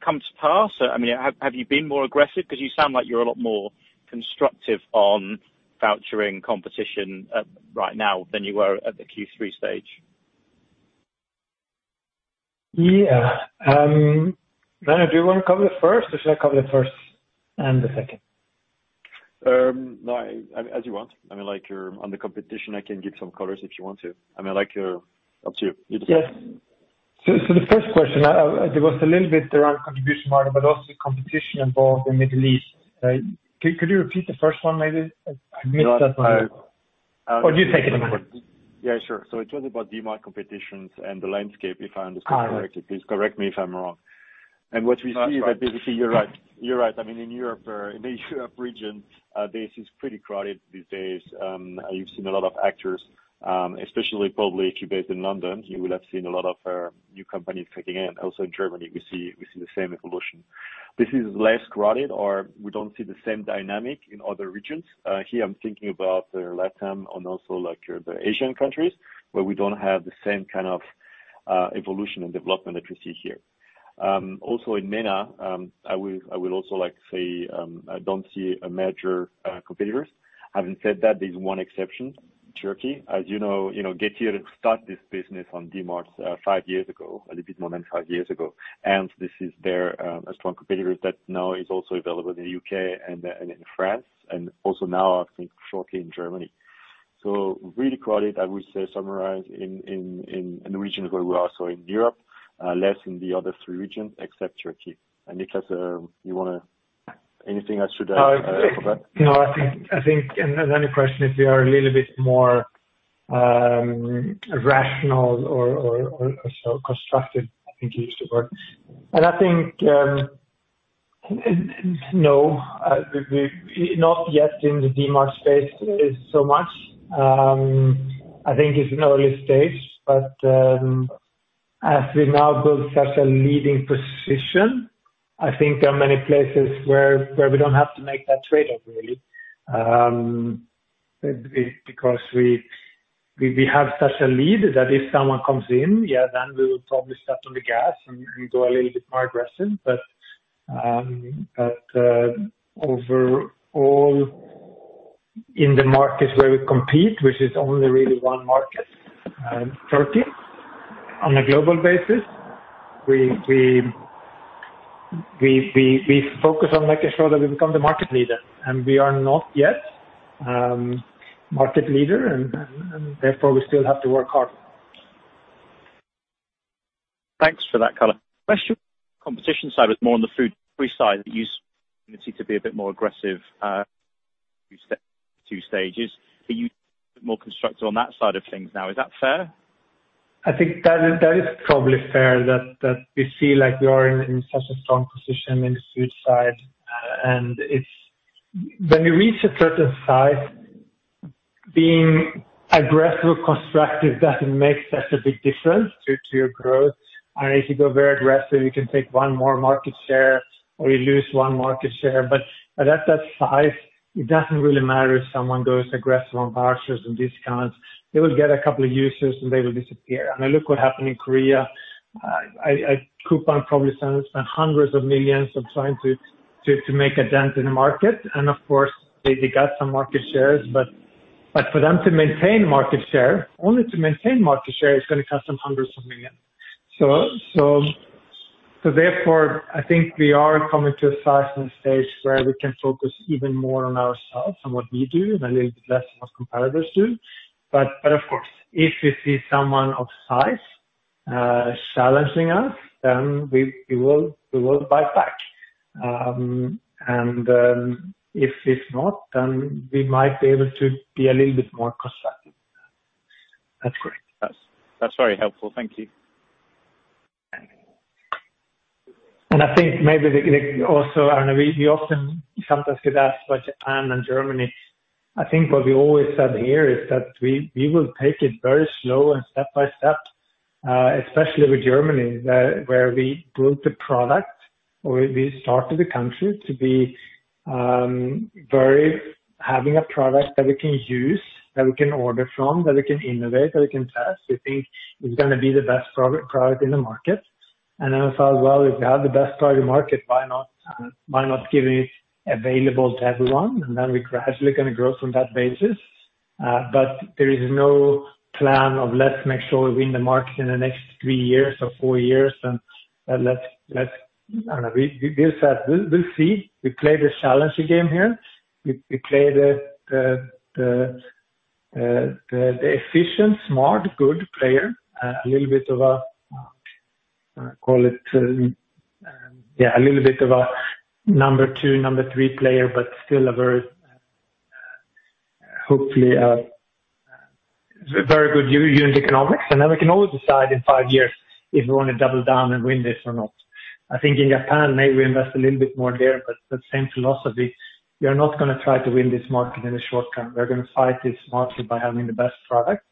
come to pass? I mean, have you been more aggressive? 'Cause you sound like you're a lot more constructive on voucher and competition right now than you were at the Q3 stage. Yeah. Emmanuel, do you wanna cover it first, or should I cover it first and the second? No. As you want. I mean, like, you're on the competition. I can give some color if you want to. Up to you. You decide. Yes. The first question, it was a little bit around contribution margin, but also competition involved in Middle East. Could you repeat the first one maybe? I missed that one. No, I Do you take it? Yeah, sure. It was about Dmart competition and the landscape, if I understand correctly. Ah. Please correct me if I'm wrong. What we see- That's right. That's basically you're right. You're right. I mean, in Europe or in the Europe region, this is pretty crowded these days. You've seen a lot of actors, especially probably if you're based in London, you will have seen a lot of new companies kicking in. Also in Germany, we see the same evolution. This is less crowded or we don't see the same dynamic in other regions. Here I'm thinking about the LatAm and also like your, the Asian countries where we don't have the same kind of evolution and development that we see here. Also in MENA, I will also like say, I don't see a major competitors. Having said that, there's one exception, Turkey. As you know, Getir started this business on Dmart a little bit more than five years ago. This is a strong competitor that now is also available in the U.K. and in France, and also now, I think, shortly in Germany. Really credit, I would say summarize in the regions where we are, so in Europe, less in the other three regions except Turkey. Niklas, anything I should add for that? No, I think and then the question, if we are a little bit more rational or sort of constructive. I think you used the word. I think, no. We're not yet in the Dmart space so much. I think it's an early stage, but as we now build such a leading position, I think there are many places where we don't have to make that trade-off really. Because we have such a lead that if someone comes in, yeah, then we will probably step on the gas and go a little bit more aggressive. Overall in the markets where we compete, which is only really one market, Turkey. On a global basis, we focus on making sure that we become the market leader, and we are not yet market leader and therefore we still have to work hard. Thanks for that color. Question on competition side was more on the food delivery side where you seem to be a bit more aggressive, two stages. Are you more constructive on that side of things now, is that fair? I think that is probably fair that we feel like we are in such a strong position in the food side. And it's. When you reach a certain size, being aggressive or constructive doesn't make such a big difference to your growth. If you go very aggressive, you can take one more market share or you lose one market share. At that size, it doesn't really matter if someone goes aggressive on vouchers and discounts. They will get a couple of users, and they will disappear. I mean, look what happened in Korea. Coupang probably spent hundreds of millions trying to make a dent in the market. Of course they got some market shares, but for them to maintain market share, it's gonna cost them hundreds of millions. Therefore, I think we are coming to a size and stage where we can focus even more on ourselves and what we do and a little bit less on what competitors do. Of course, if we see someone of size challenging us, then we will bite back. If not, then we might be able to be a little bit more constructive. That's great. That's very helpful. Thank you. I think maybe we often sometimes get asked about Japan and Germany. I think what we always said here is that we will take it very slow and step by step, especially with Germany, where we built the product, having a product that we can use, that we can order from, that we can innovate, that we can test. We think it's gonna be the best product in the market. I thought, well, if we have the best product in the market, why not make it available to everyone? We gradually gonna grow from that basis. There is no plan to make sure we win the market in the next three years or four years. I don't know. We'll see. We play the challenger game here. We play the efficient, smart, good player. A little bit of a, call it, a number two, number three player, but still a very, hopefully a very good unit economics. Then we can always decide in five years if we wanna double down and win this or not. I think in Japan, maybe we invest a little bit more there, but the same philosophy, we are not gonna try to win this market in a short term. We're gonna fight this market by having the best product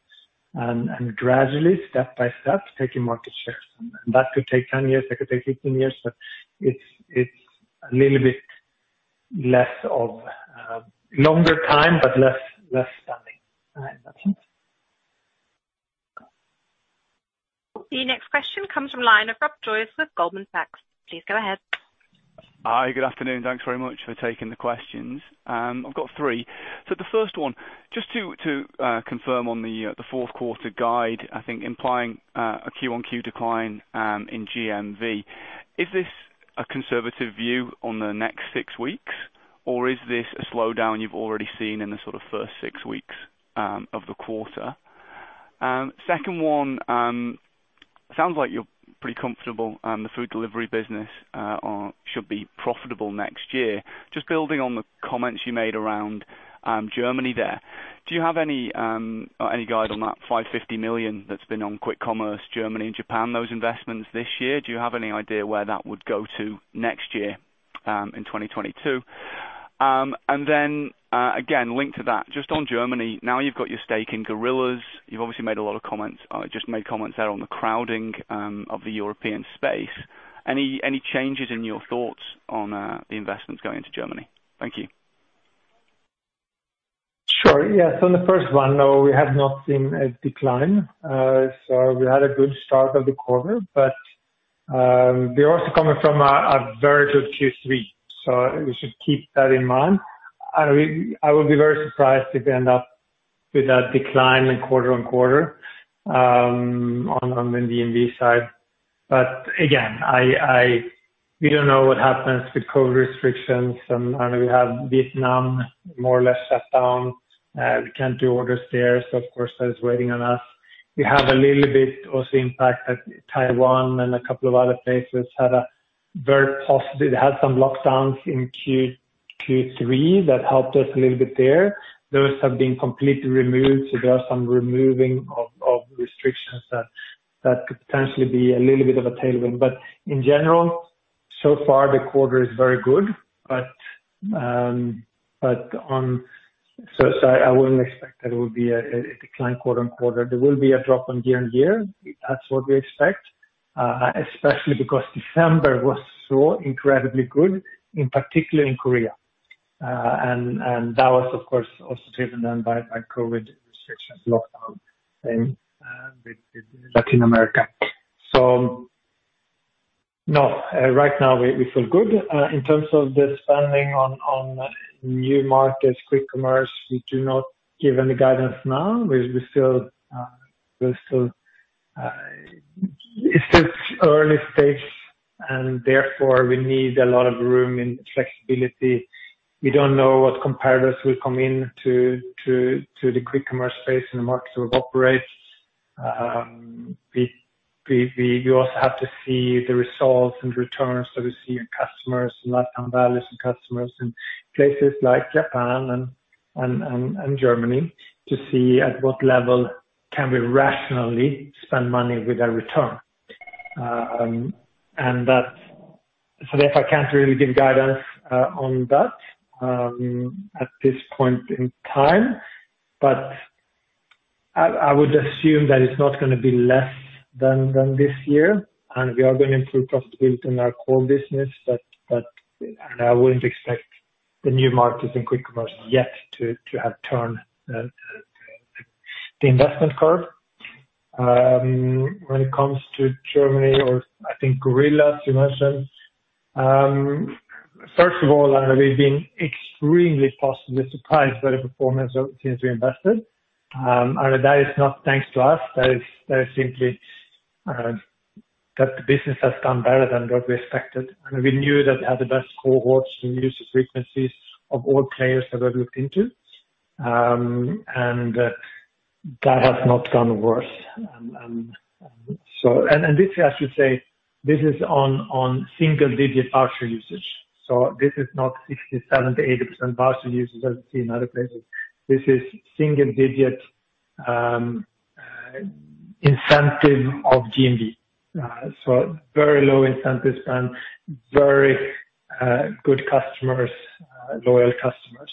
and gradually step by step, taking market shares. That could take 10 years, that could take 15 years, but it's a little bit less of longer time, but less spending. All right. That's it. The next question comes from the line of Rob Joyce with Goldman Sachs. Please go ahead. Hi. Good afternoon. Thanks very much for taking the questions. I've got three. The first one, just to confirm on the Q4 guide, I think implying a Q-on-Q decline in GMV. Is this a conservative view on the next six weeks, or is this a slowdown you've already seen in the sort of first six weeks of the quarter? Second one, sounds like you're pretty comfortable on the food delivery business, or should be profitable next year. Just building on the comments you made around Germany there. Do you have any guide on that 550 million that's been on quick commerce, Germany and Japan, those investments this year? Do you have any idea where that would go to next year in 2022? Again, linked to that, just on Germany, now you've got your stake in Gorillas, you've obviously made a lot of comments. Just made comments there on the crowding of the European space. Any changes in your thoughts on the investments going into Germany? Thank you. Sure. Yeah. The first one, no, we have not seen a decline. We had a good start of the quarter, but we're also coming from a very good Q3, so we should keep that in mind. I would be very surprised if we end up with a decline quarter-on-quarter on the GMV side. Again, we don't know what happens with COVID restrictions. We have Vietnam more or less shut down. We can't do orders there, so of course that is weighing on us. We have a little bit also impact at Taiwan and a couple of other places. They had some lockdowns in Q3 that helped us a little bit there. Those have been completely removed, so there are some removal of restrictions that could potentially be a little bit of a tailwind. In general, so far the quarter is very good. I wouldn't expect that it would be a decline quarter-on-quarter. There will be a drop year-on-year. That's what we expect, especially because December was so incredibly good, in particular in Korea. That was of course also driven down by COVID restrictions, lockdown, same with Latin America. No, right now we feel good. In terms of the spending on new markets, quick commerce, we do not give any guidance now. We still, it's still early stage and therefore we need a lot of room and flexibility. We don't know what competitors will come into the quick commerce space in the markets we operate. We also have to see the results and returns that we see in customer lifetime values and customers in places like Japan and Germany to see at what level can we rationally spend money with a return. Therefore, I can't really give guidance on that at this point in time, but I would assume that it's not gonna be less than this year. We are gonna improve profitability in our core business, but I wouldn't expect the new markets in quick commerce yet to have turned the investment curve. When it comes to Germany or I think Gorillas, you mentioned. First of all, we've been extremely positively surprised by the performance of it since we invested. That is not thanks to us. That is simply that the business has done better than what we expected. We knew that they had the best cohorts and user frequencies of all players that we had looked into. That has not gone worse. This, I should say, is on single digit voucher usage. This is not 60%, 70%, 80% voucher usage as we see in other places. This is single digit incentive of GMV. Very low incentives and very good customers, loyal customers.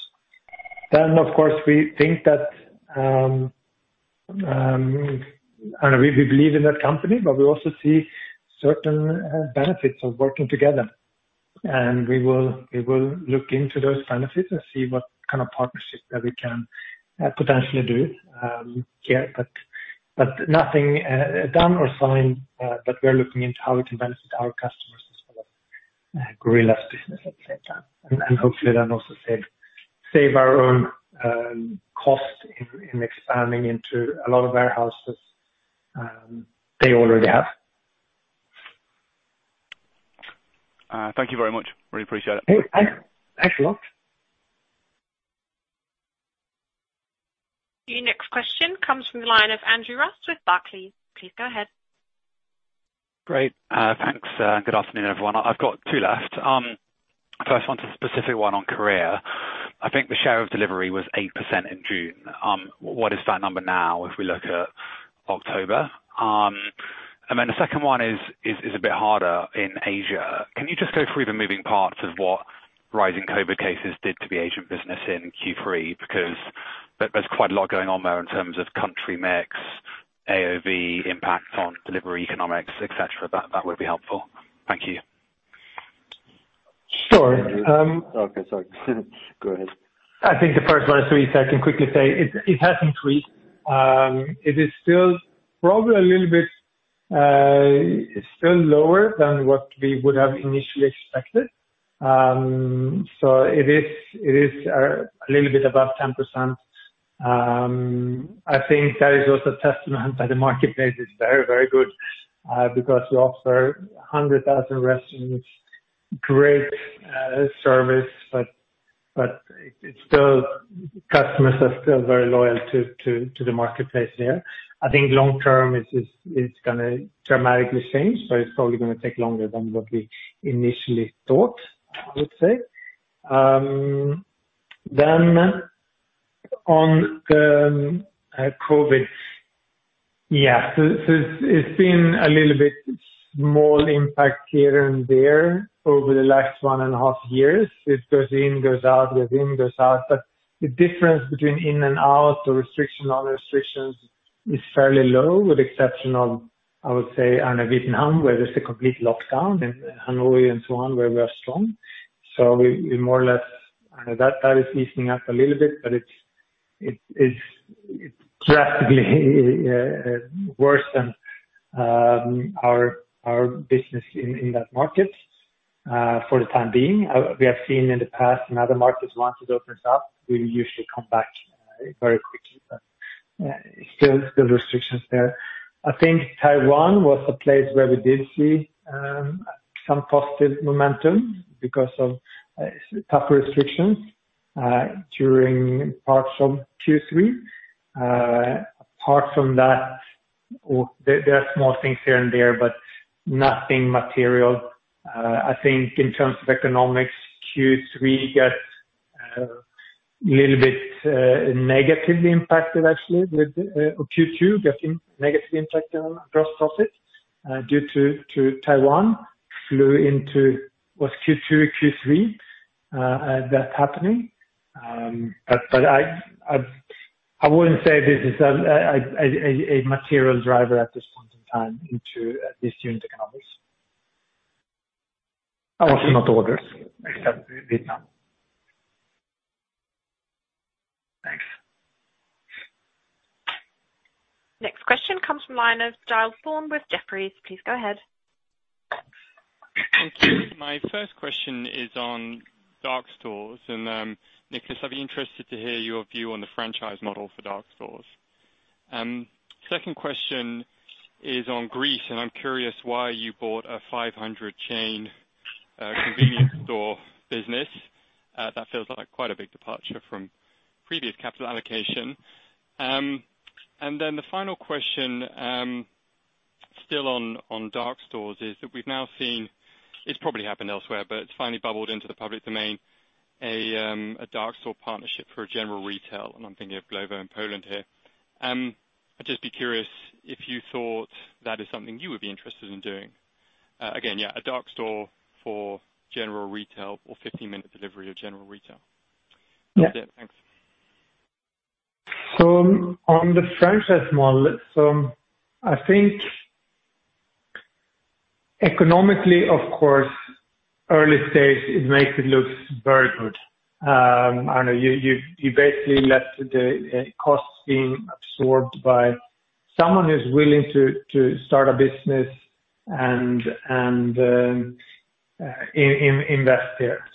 Of course, we think that. We believe in that company, but we also see certain benefits of working together. We will look into those benefits and see what kind of partnerships that we can potentially do here. Nothing done or signed, but we are looking into how we can benefit our customers as well, Gorillas business et cetera. Hopefully then also save our own cost in expanding into a lot of warehouses they already have. Thank you very much. Really appreciate it. Yeah. Thanks. Thanks a lot. Your next question comes from the line of Andrew Ross with Barclays. Please go ahead. Great. Thanks, good afternoon, everyone. I've got two left. First one's a specific one on Korea. I think the share of delivery was 8% in June. What is that number now if we look at October? And then the second one is a bit harder in Asia. Can you just go through the moving parts of what rising COVID cases did to the Asia business in Q3? Because there's quite a lot going on there in terms of country mix, AOV impact on delivery economics, et cetera. That would be helpful. Thank you. Sure. Okay. Sorry. Go ahead. I think the first one is sweet. I can quickly say it. It has increased. It is still probably a little bit lower than what we would have initially expected. It is a little bit above 10%. I think that is also testament that the marketplace is very good because we offer 100,000 restaurants, great service. It's still. Customers are still very loyal to the marketplace there. I think long term it's gonna dramatically change, so it's probably gonna take longer than what we initially thought, I would say. On COVID. Yeah. It's been a little bit small impact here and there over the last 1.5 years. It goes in, goes out, goes in, goes out. The difference between in and out or restriction, non-restrictions is fairly low with exception of, I would say, Vietnam, where there's a complete lockdown in Hanoi and so on, where we are strong. That is easing up a little bit, but it is drastically worse than our business in that market for the time being. We have seen in the past, in other markets, once it opens up, we usually come back very quickly. Still restrictions there. I think Taiwan was a place where we did see some positive momentum because of tougher restrictions during parts of Q3. Apart from that, there are small things here and there, but nothing material. I think in terms of economics, Q3 got a little bit negatively impacted actually with Q2 getting negatively impacted on gross profit due to Taiwan flew into. Was Q2 or Q3 that happening. I wouldn't say this is a material driver at this point in time into this unit economics. Also not orders, except Vietnam. Thanks. Next question comes from the line of Giles Thorne with Jefferies. Please go ahead. Thank you. My first question is on dark stores. Niklas, I'd be interested to hear your view on the franchise model for dark stores. Second question is on Greece, and I'm curious why you bought a 500-chain convenience store business. That feels like quite a big departure from previous capital allocation. The final question, still on dark stores, is that we've now seen it's probably happened elsewhere, but it's finally bubbled into the public domain, a dark store partnership for general retail, and I'm thinking of Glovo in Poland here. I'd just be curious if you thought that is something you would be interested in doing. Again, a dark store for general retail or 15-minute delivery of general retail. Yeah. That's it. Thanks. On the franchise model, I think economically, of course, early stage it makes it look very good. I don't know, you basically let the costs being absorbed by someone who's willing to start a business and invest there.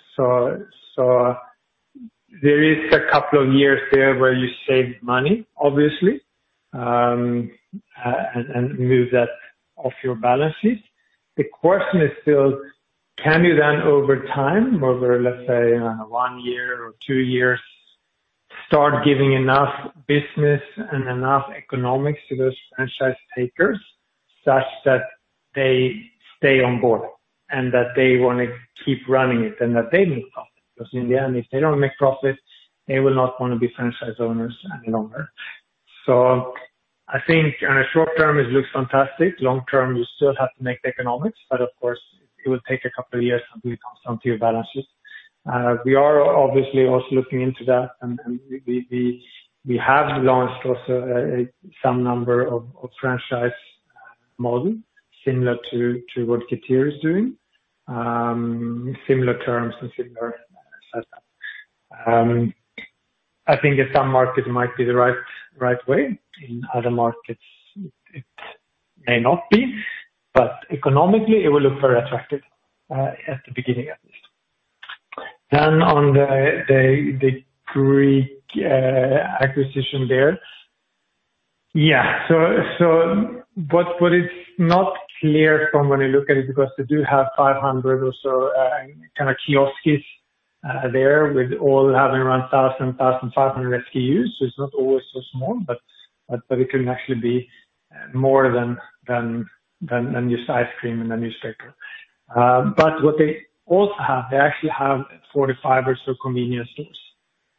There is a couple of years there where you save money, obviously, and move that off your balances. The question is still, can you then, over time, over let's say one year or two years, start giving enough business and enough economics to those franchise takers such that they stay on board and that they wanna keep running it and that they make profit? Because in the end, if they don't make profit, they will not wanna be franchise owners any longer. I think on a short term it looks fantastic. Long term, you still have to make the economics, but of course it will take a couple of years to move on some to your balances. We are obviously also looking into that and we have launched also some number of franchise model similar to what Getir is doing. Similar terms and similar set up. I think in some markets it might be the right way. In other markets it may not be, but economically it will look very attractive at the beginning, at least. On the Greek acquisition there. So what is not clear from when you look at it, because they do have 500 or so kinda kiosks there with all having around 1,000-1,500 SKUs. It's not always so small, but it can actually be more than just ice cream and a newspaper. But what they also have, they actually have 45 or so convenience stores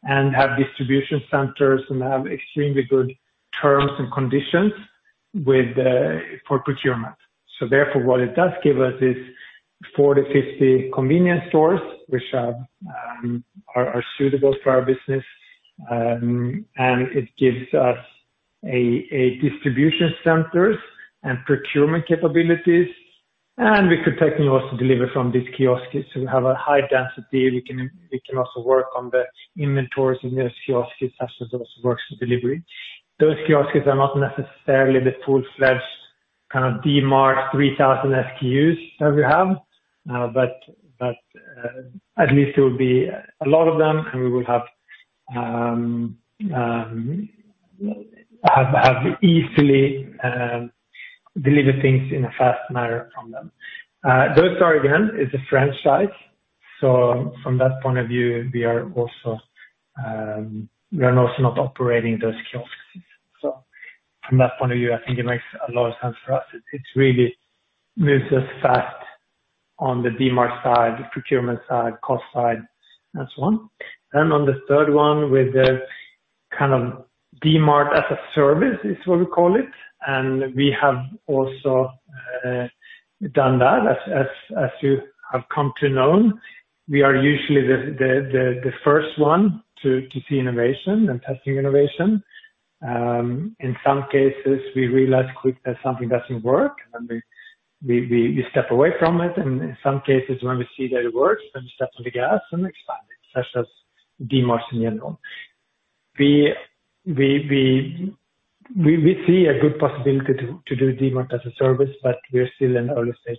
and distribution centers and extremely good terms and conditions with for procurement. Therefore what it does give us is 40-50 convenience stores which are suitable for our business. And it gives us a distribution centers and procurement capabilities, and we could technically also deliver from these kiosks. We have a high density. We can also work on the inventories in those kiosks as it also works with delivery. Those kiosks are not necessarily the full-fledged kind of Dmart 3,000 SKUs that we have. At least it will be a lot of them and we will have easily deliver things in a fast manner from them. Those are again a franchise, so from that point of view, we are also not operating those kiosks. From that point of view, I think it makes a lot of sense for us. It really moves us fast on the Dmart side, procurement side, cost side, and so on. On the third one, with the kind of Dmart as a service is what we call it. We have also done that as you have come to know, we are usually the first one to see innovation and testing innovation. In some cases we realize quickly that something doesn't work and we step away from it. In some cases when we see that it works, then we step on the gas and expand it, such as Dmart in general. We see a good possibility to do Dmart as a service, but we're still in early stage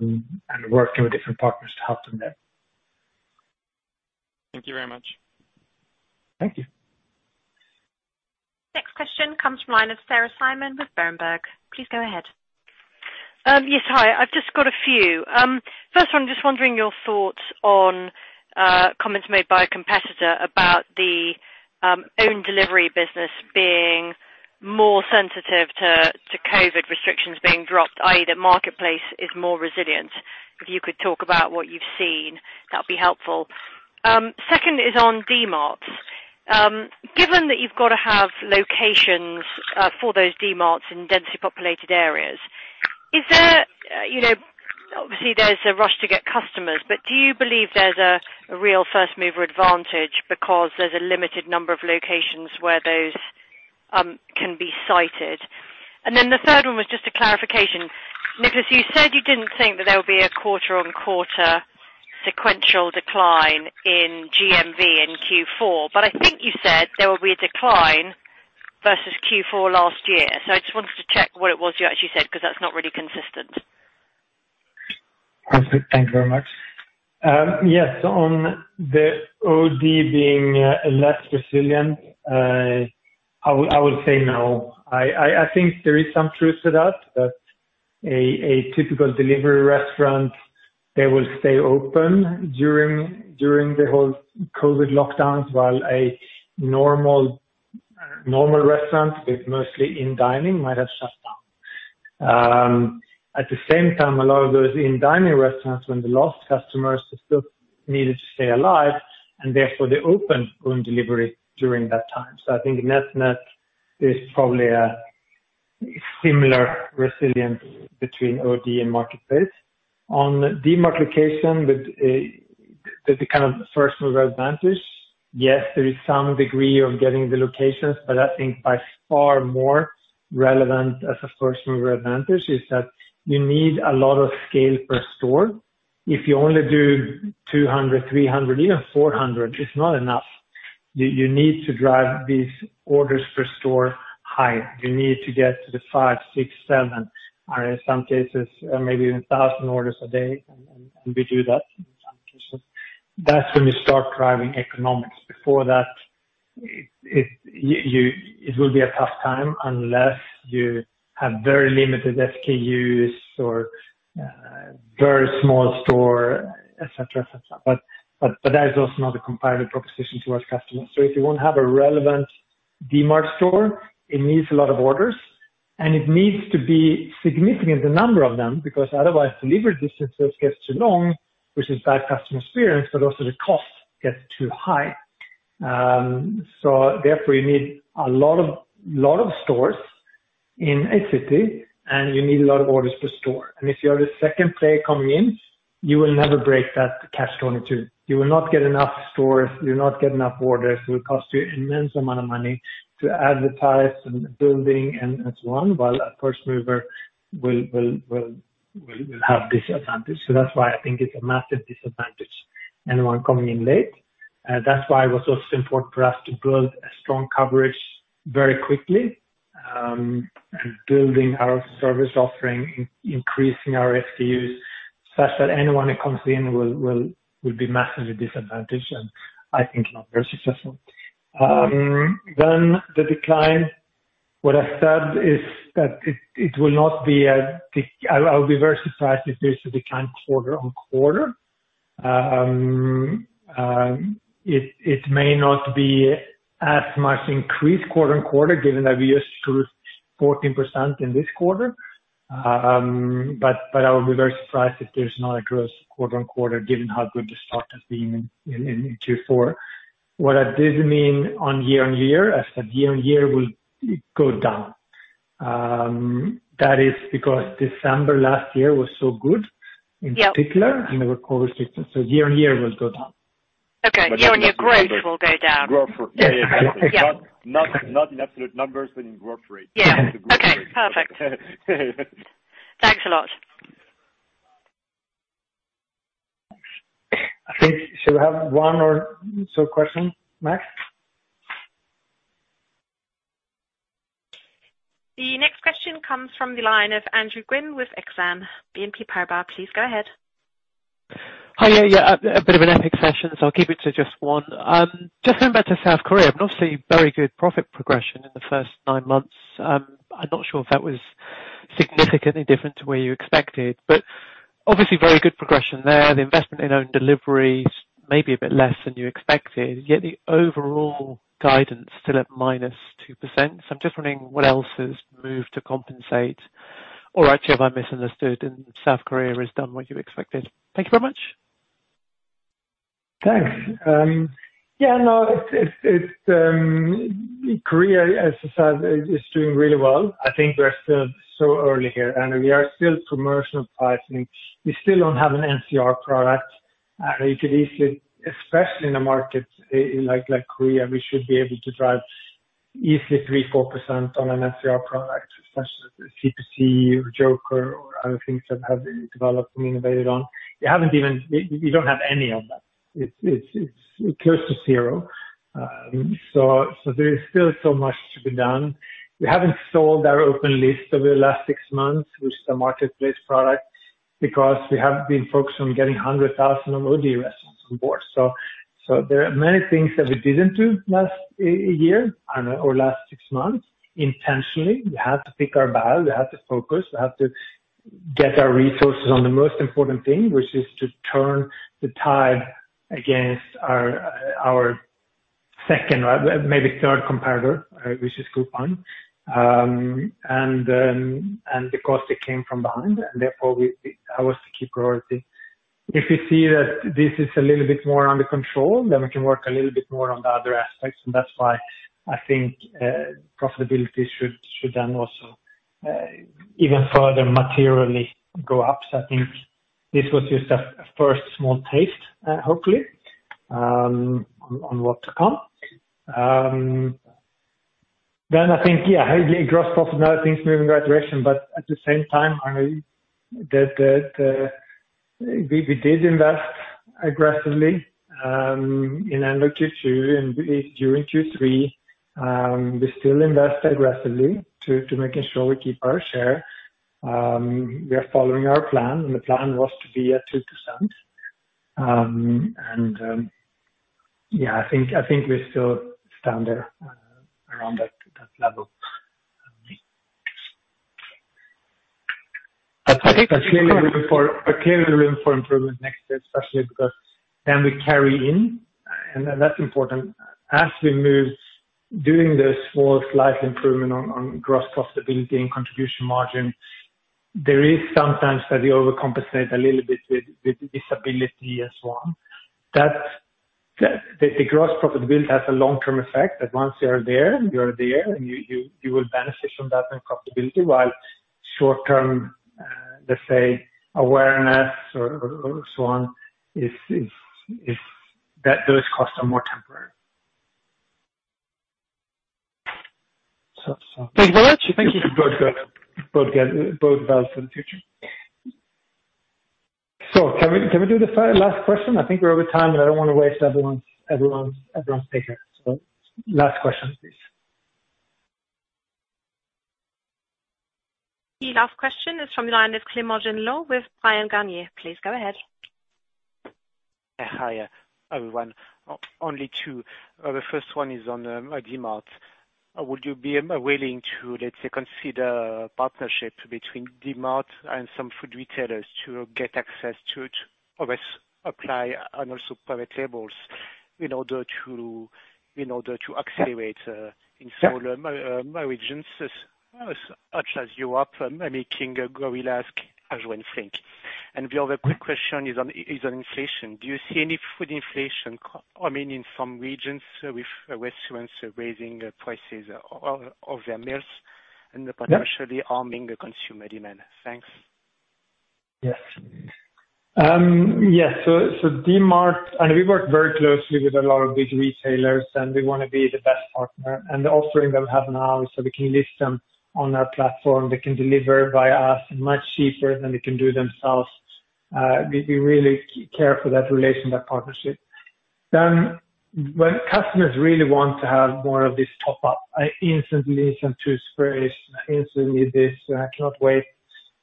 and working with different partners to help them there. Thank you very much. Thank you. Next question comes from the line of Sarah Simon with Berenberg. Please go ahead. Yes. Hi. I've just got a few. First one, just wondering your thoughts on comments made by a competitor about the own delivery business being more sensitive to COVID restrictions being dropped, i.e., the marketplace is more resilient. If you could talk about what you've seen, that'd be helpful. Second is on Dmarts. Given that you've got to have locations for those Dmarts in densely populated areas, you know, obviously there's a rush to get customers, but do you believe there's a real first mover advantage because there's a limited number of locations where those can be sited? Then the third one was just a clarification. Niklas, you said you didn't think that there would be a quarter-on-quarter sequential decline in GMV in Q4, but I think you said there will be a decline versus Q4 last year. I just wanted to check what it was you actually said, because that's not really consistent. Perfect. Thank you very much. Yes. On the OD being less resilient, I will say no. I think there is some truth to that a typical delivery restaurant, they will stay open during the whole COVID lockdowns while a normal restaurant with mostly in dining might have shut down. At the same time, a lot of those in dining restaurants, when they lost customers, they still needed to stay alive, and therefore they opened home delivery during that time. I think net-net is probably a similar resilience between OD and marketplace. On Dmart location with the kind of first mover advantage. Yes, there is some degree of getting the locations, but I think by far more relevant as a first mover advantage is that you need a lot of scale per store. If you only do 200, 300, even 400, it's not enough. You need to drive these orders per store high. You need to get to the five, six, seven, or in some cases, maybe even 1,000 orders a day, and we do that in some cases. That's when you start driving economics. Before that, it will be a tough time unless you have very limited SKUs or very small store, et cetera, et cetera. That is also not a competitive proposition to our customers. If you want to have a relevant Dmart store, it needs a lot of orders, and it needs to be significant, the number of them, because otherwise delivery distances gets too long, which is bad customer experience, but also the cost gets too high. Therefore you need a lot of stores in a city, and you need a lot of orders per store. If you are the second player coming in, you will never break that catch-22. You will not get enough stores. You'll not get enough orders. It will cost you immense amount of money to advertising and building and so on, while a first mover will have this advantage. That's why I think it's a massive disadvantage, anyone coming in late. That's why it was also important for us to build a strong coverage very quickly, and building our service offering, increasing our SKUs such that anyone who comes in will be massively disadvantaged, and I think not very successful. The decline. What I said is that it will not be a decline. I'll be very surprised if there's a decline quarter-on-quarter. It may not be as much increased quarter-on-quarter given that we grew 14% in this quarter. I would be very surprised if there's not a growth quarter-on-quarter given how good the start has been in Q4. What I did mean on year-on-year, I said year-on-year will go down. That is because December last year was so good. Yeah. in particular in the recovery system. Year-on-year will go down. Okay. Year-on-year growth will go down. Growth rate. Yeah, yeah. Not in absolute numbers, but in growth rate. Yeah. Okay. Perfect. Thanks a lot. I think so we have one or so question max? The next question comes from the line of Andrew Gwynn with Exane BNP Paribas. Please go ahead. Hi. A bit of an epic session, so I'll keep it to just one. Just going back to South Korea, but obviously very good profit progression in the first nine months. I'm not sure if that was significantly different to where you expected, but obviously very good progression there. The investment in own deliveries may be a bit less than you expected, yet the overall guidance still at minus 2%. I'm just wondering what else has moved to compensate, or actually have I misunderstood and South Korea has done what you expected? Thank you very much. Thanks. Yeah, no, Korea, as I said, is doing really well. I think we're still so early here, and we are still commercial pricing. We still don't have an NCR product. You could easily, especially in a market in like Korea, we should be able to drive easily 3%-4% on an NCR product such as C2C or Joker or other things that have been developed and innovated on. You haven't even, you don't have any of that. It's close to zero. There is still so much to be done. We haven't sold our Open Listing over the last six months, which is a marketplace product, because we have been focused on getting 100,000 OD restaurants on board. There are many things that we didn't do last year and/or last six months intentionally. We had to pick our battle. We had to focus. We had to get our resources on the most important thing, which is to turn the tide against our second or maybe third competitor, which is Coupang. Because they came from behind, and therefore it was the key priority. If we see that this is a little bit more under control, then we can work a little bit more on the other aspects, and that's why I think profitability should then also even further materially go up. I think this was just a first small taste, hopefully, on what to come. I think, yeah, highly gross profitability is moving the right direction, but at the same time, I know that we did invest aggressively in end of Q2 and at least during Q3. We still invest aggressively to making sure we keep our share. We are following our plan, and the plan was to be at 2%. I think we still stand there around that level, I think. I think. Clearly room for improvement next year, especially because then we carryover, and that's important. As we move toward doing the slight improvement on gross profitability and contribution margin, there is sometimes that we overcompensate a little bit with visibility and so on. That's the gross profitability has a long-term effect that once you're there, you're there, and you will benefit from that profitability, while short-term, let's say awareness or so on is. That those costs are more temporary. Thanks a lot. Thank you. Both get both valid for the future. Can we do the last question? I think we're over time, and I don't wanna waste everyone's day here. Last question, please. The last question is from the line of Clément Genelot with Bryan Garnier. Please go ahead Hi, everyone. Only two. The first one is on Dmart. Would you be willing to, let's say, consider partnership between Dmart and some food retailers to get access to all SKUs and also private labels in order to accelerate in solar? My region says as much as you are making Gorillas as fast as Wolt thinks. The other quick question is on inflation. Do you see any food inflation, I mean, in some regions with restaurants raising prices of their meals and potentially- Yeah. harming the consumer demand? Thanks. Yes. Yes, Dmart. We work very closely with a lot of big retailers, and we wanna be the best partner. The offering that we have now is so we can list them on our platform. They can deliver via us much cheaper than they can do themselves. We really care for that relation, that partnership. When customers really want to have more of this top up, instantly some top-ups, instantly this, cannot wait.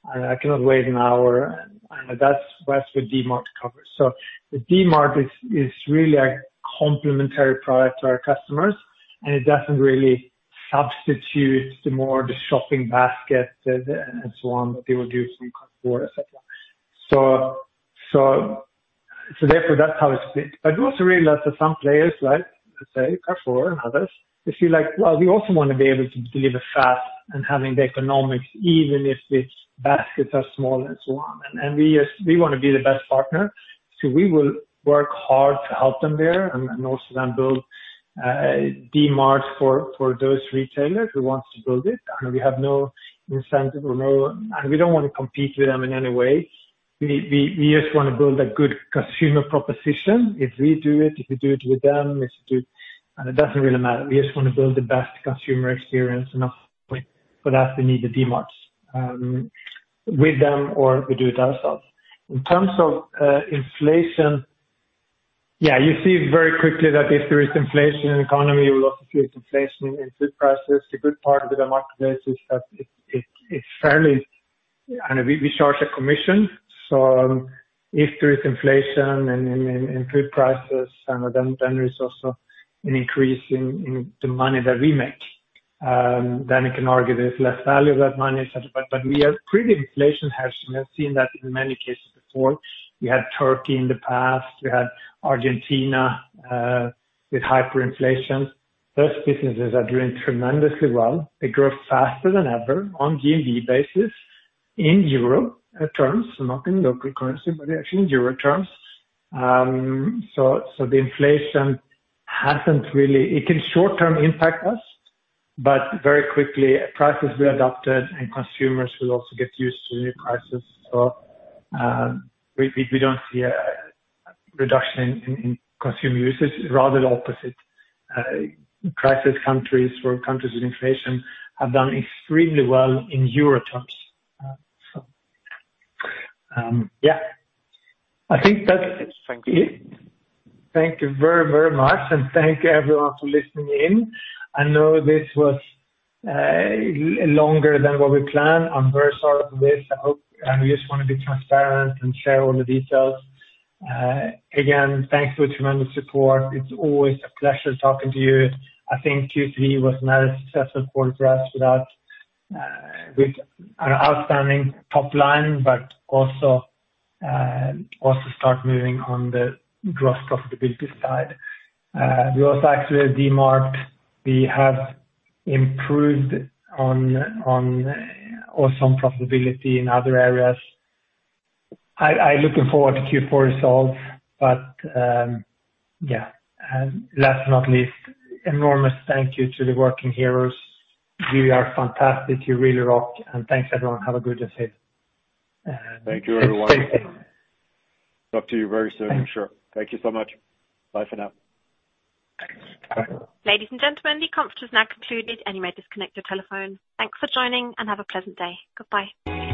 I cannot wait an hour, and that's what the Dmart covers. The Dmart is really a complementary product to our customers, and it doesn't really substitute the larger shopping basket and so on that they will do from Carrefour, et cetera. Therefore, that's how it's been. I'd also realized that some players like, let's say Carrefour and others, they feel like, "Well, we also wanna be able to deliver fast and having the economics even if the baskets are small and so on." We just wanna be the best partner. We will work hard to help them there and also then build Dmart for those retailers who wants to build it. We have no incentive. We don't want to compete with them in any way. We just wanna build a good consumer proposition. If we do it with them, it doesn't really matter. We just wanna build the best consumer experience, and for that, they need the Dmarts with them or we do it ourselves. In terms of inflation, yeah, you see very quickly that if there is inflation in economy, you will also see inflation in food prices. The good part of the marketplace is that we charge a commission. If there is inflation in food prices and then there is also an increase in the money that we make, then you can argue there's less value of that money and such. We are pretty inflation-hedged, and we've seen that in many cases before. We had Turkey in the past. We had Argentina with hyperinflation. Those businesses are doing tremendously well. They grow faster than ever on GMV basis in euro terms, not in local currency, but actually in euro terms. The inflation hasn't really. It can short-term impact us, but very quickly prices will be adapted and consumers will also get used to new prices. We don't see a reduction in consumer usage. Rather the opposite. Crisis countries or countries with inflation have done extremely well in euro terms. Yeah. I think that's it. Thank you. Thank you very, very much, and thank everyone for listening in. I know this was longer than what we planned. I'm very sorry for this, and we just wanna be transparent and share all the details. Again, thanks for your tremendous support. It's always a pleasure talking to you. I think Q3 was another successful quarter for us with an outstanding top line, but also start moving on the gross profitability side. We also activated Dmart. We have improved on gross profitability in other areas. I looking forward to Q4 results. Yeah. Last but not least, enormous thank you to the working heroes. You are fantastic. You really rock. Thanks, everyone. Have a good day. Thank you, everyone. Talk to you very soon, I'm sure. Thanks. Thank you so much. Bye for now. Thanks. Bye. Ladies and gentlemen, the conference has now concluded, and you may disconnect your telephone. Thanks for joining, and have a pleasant day. Goodbye.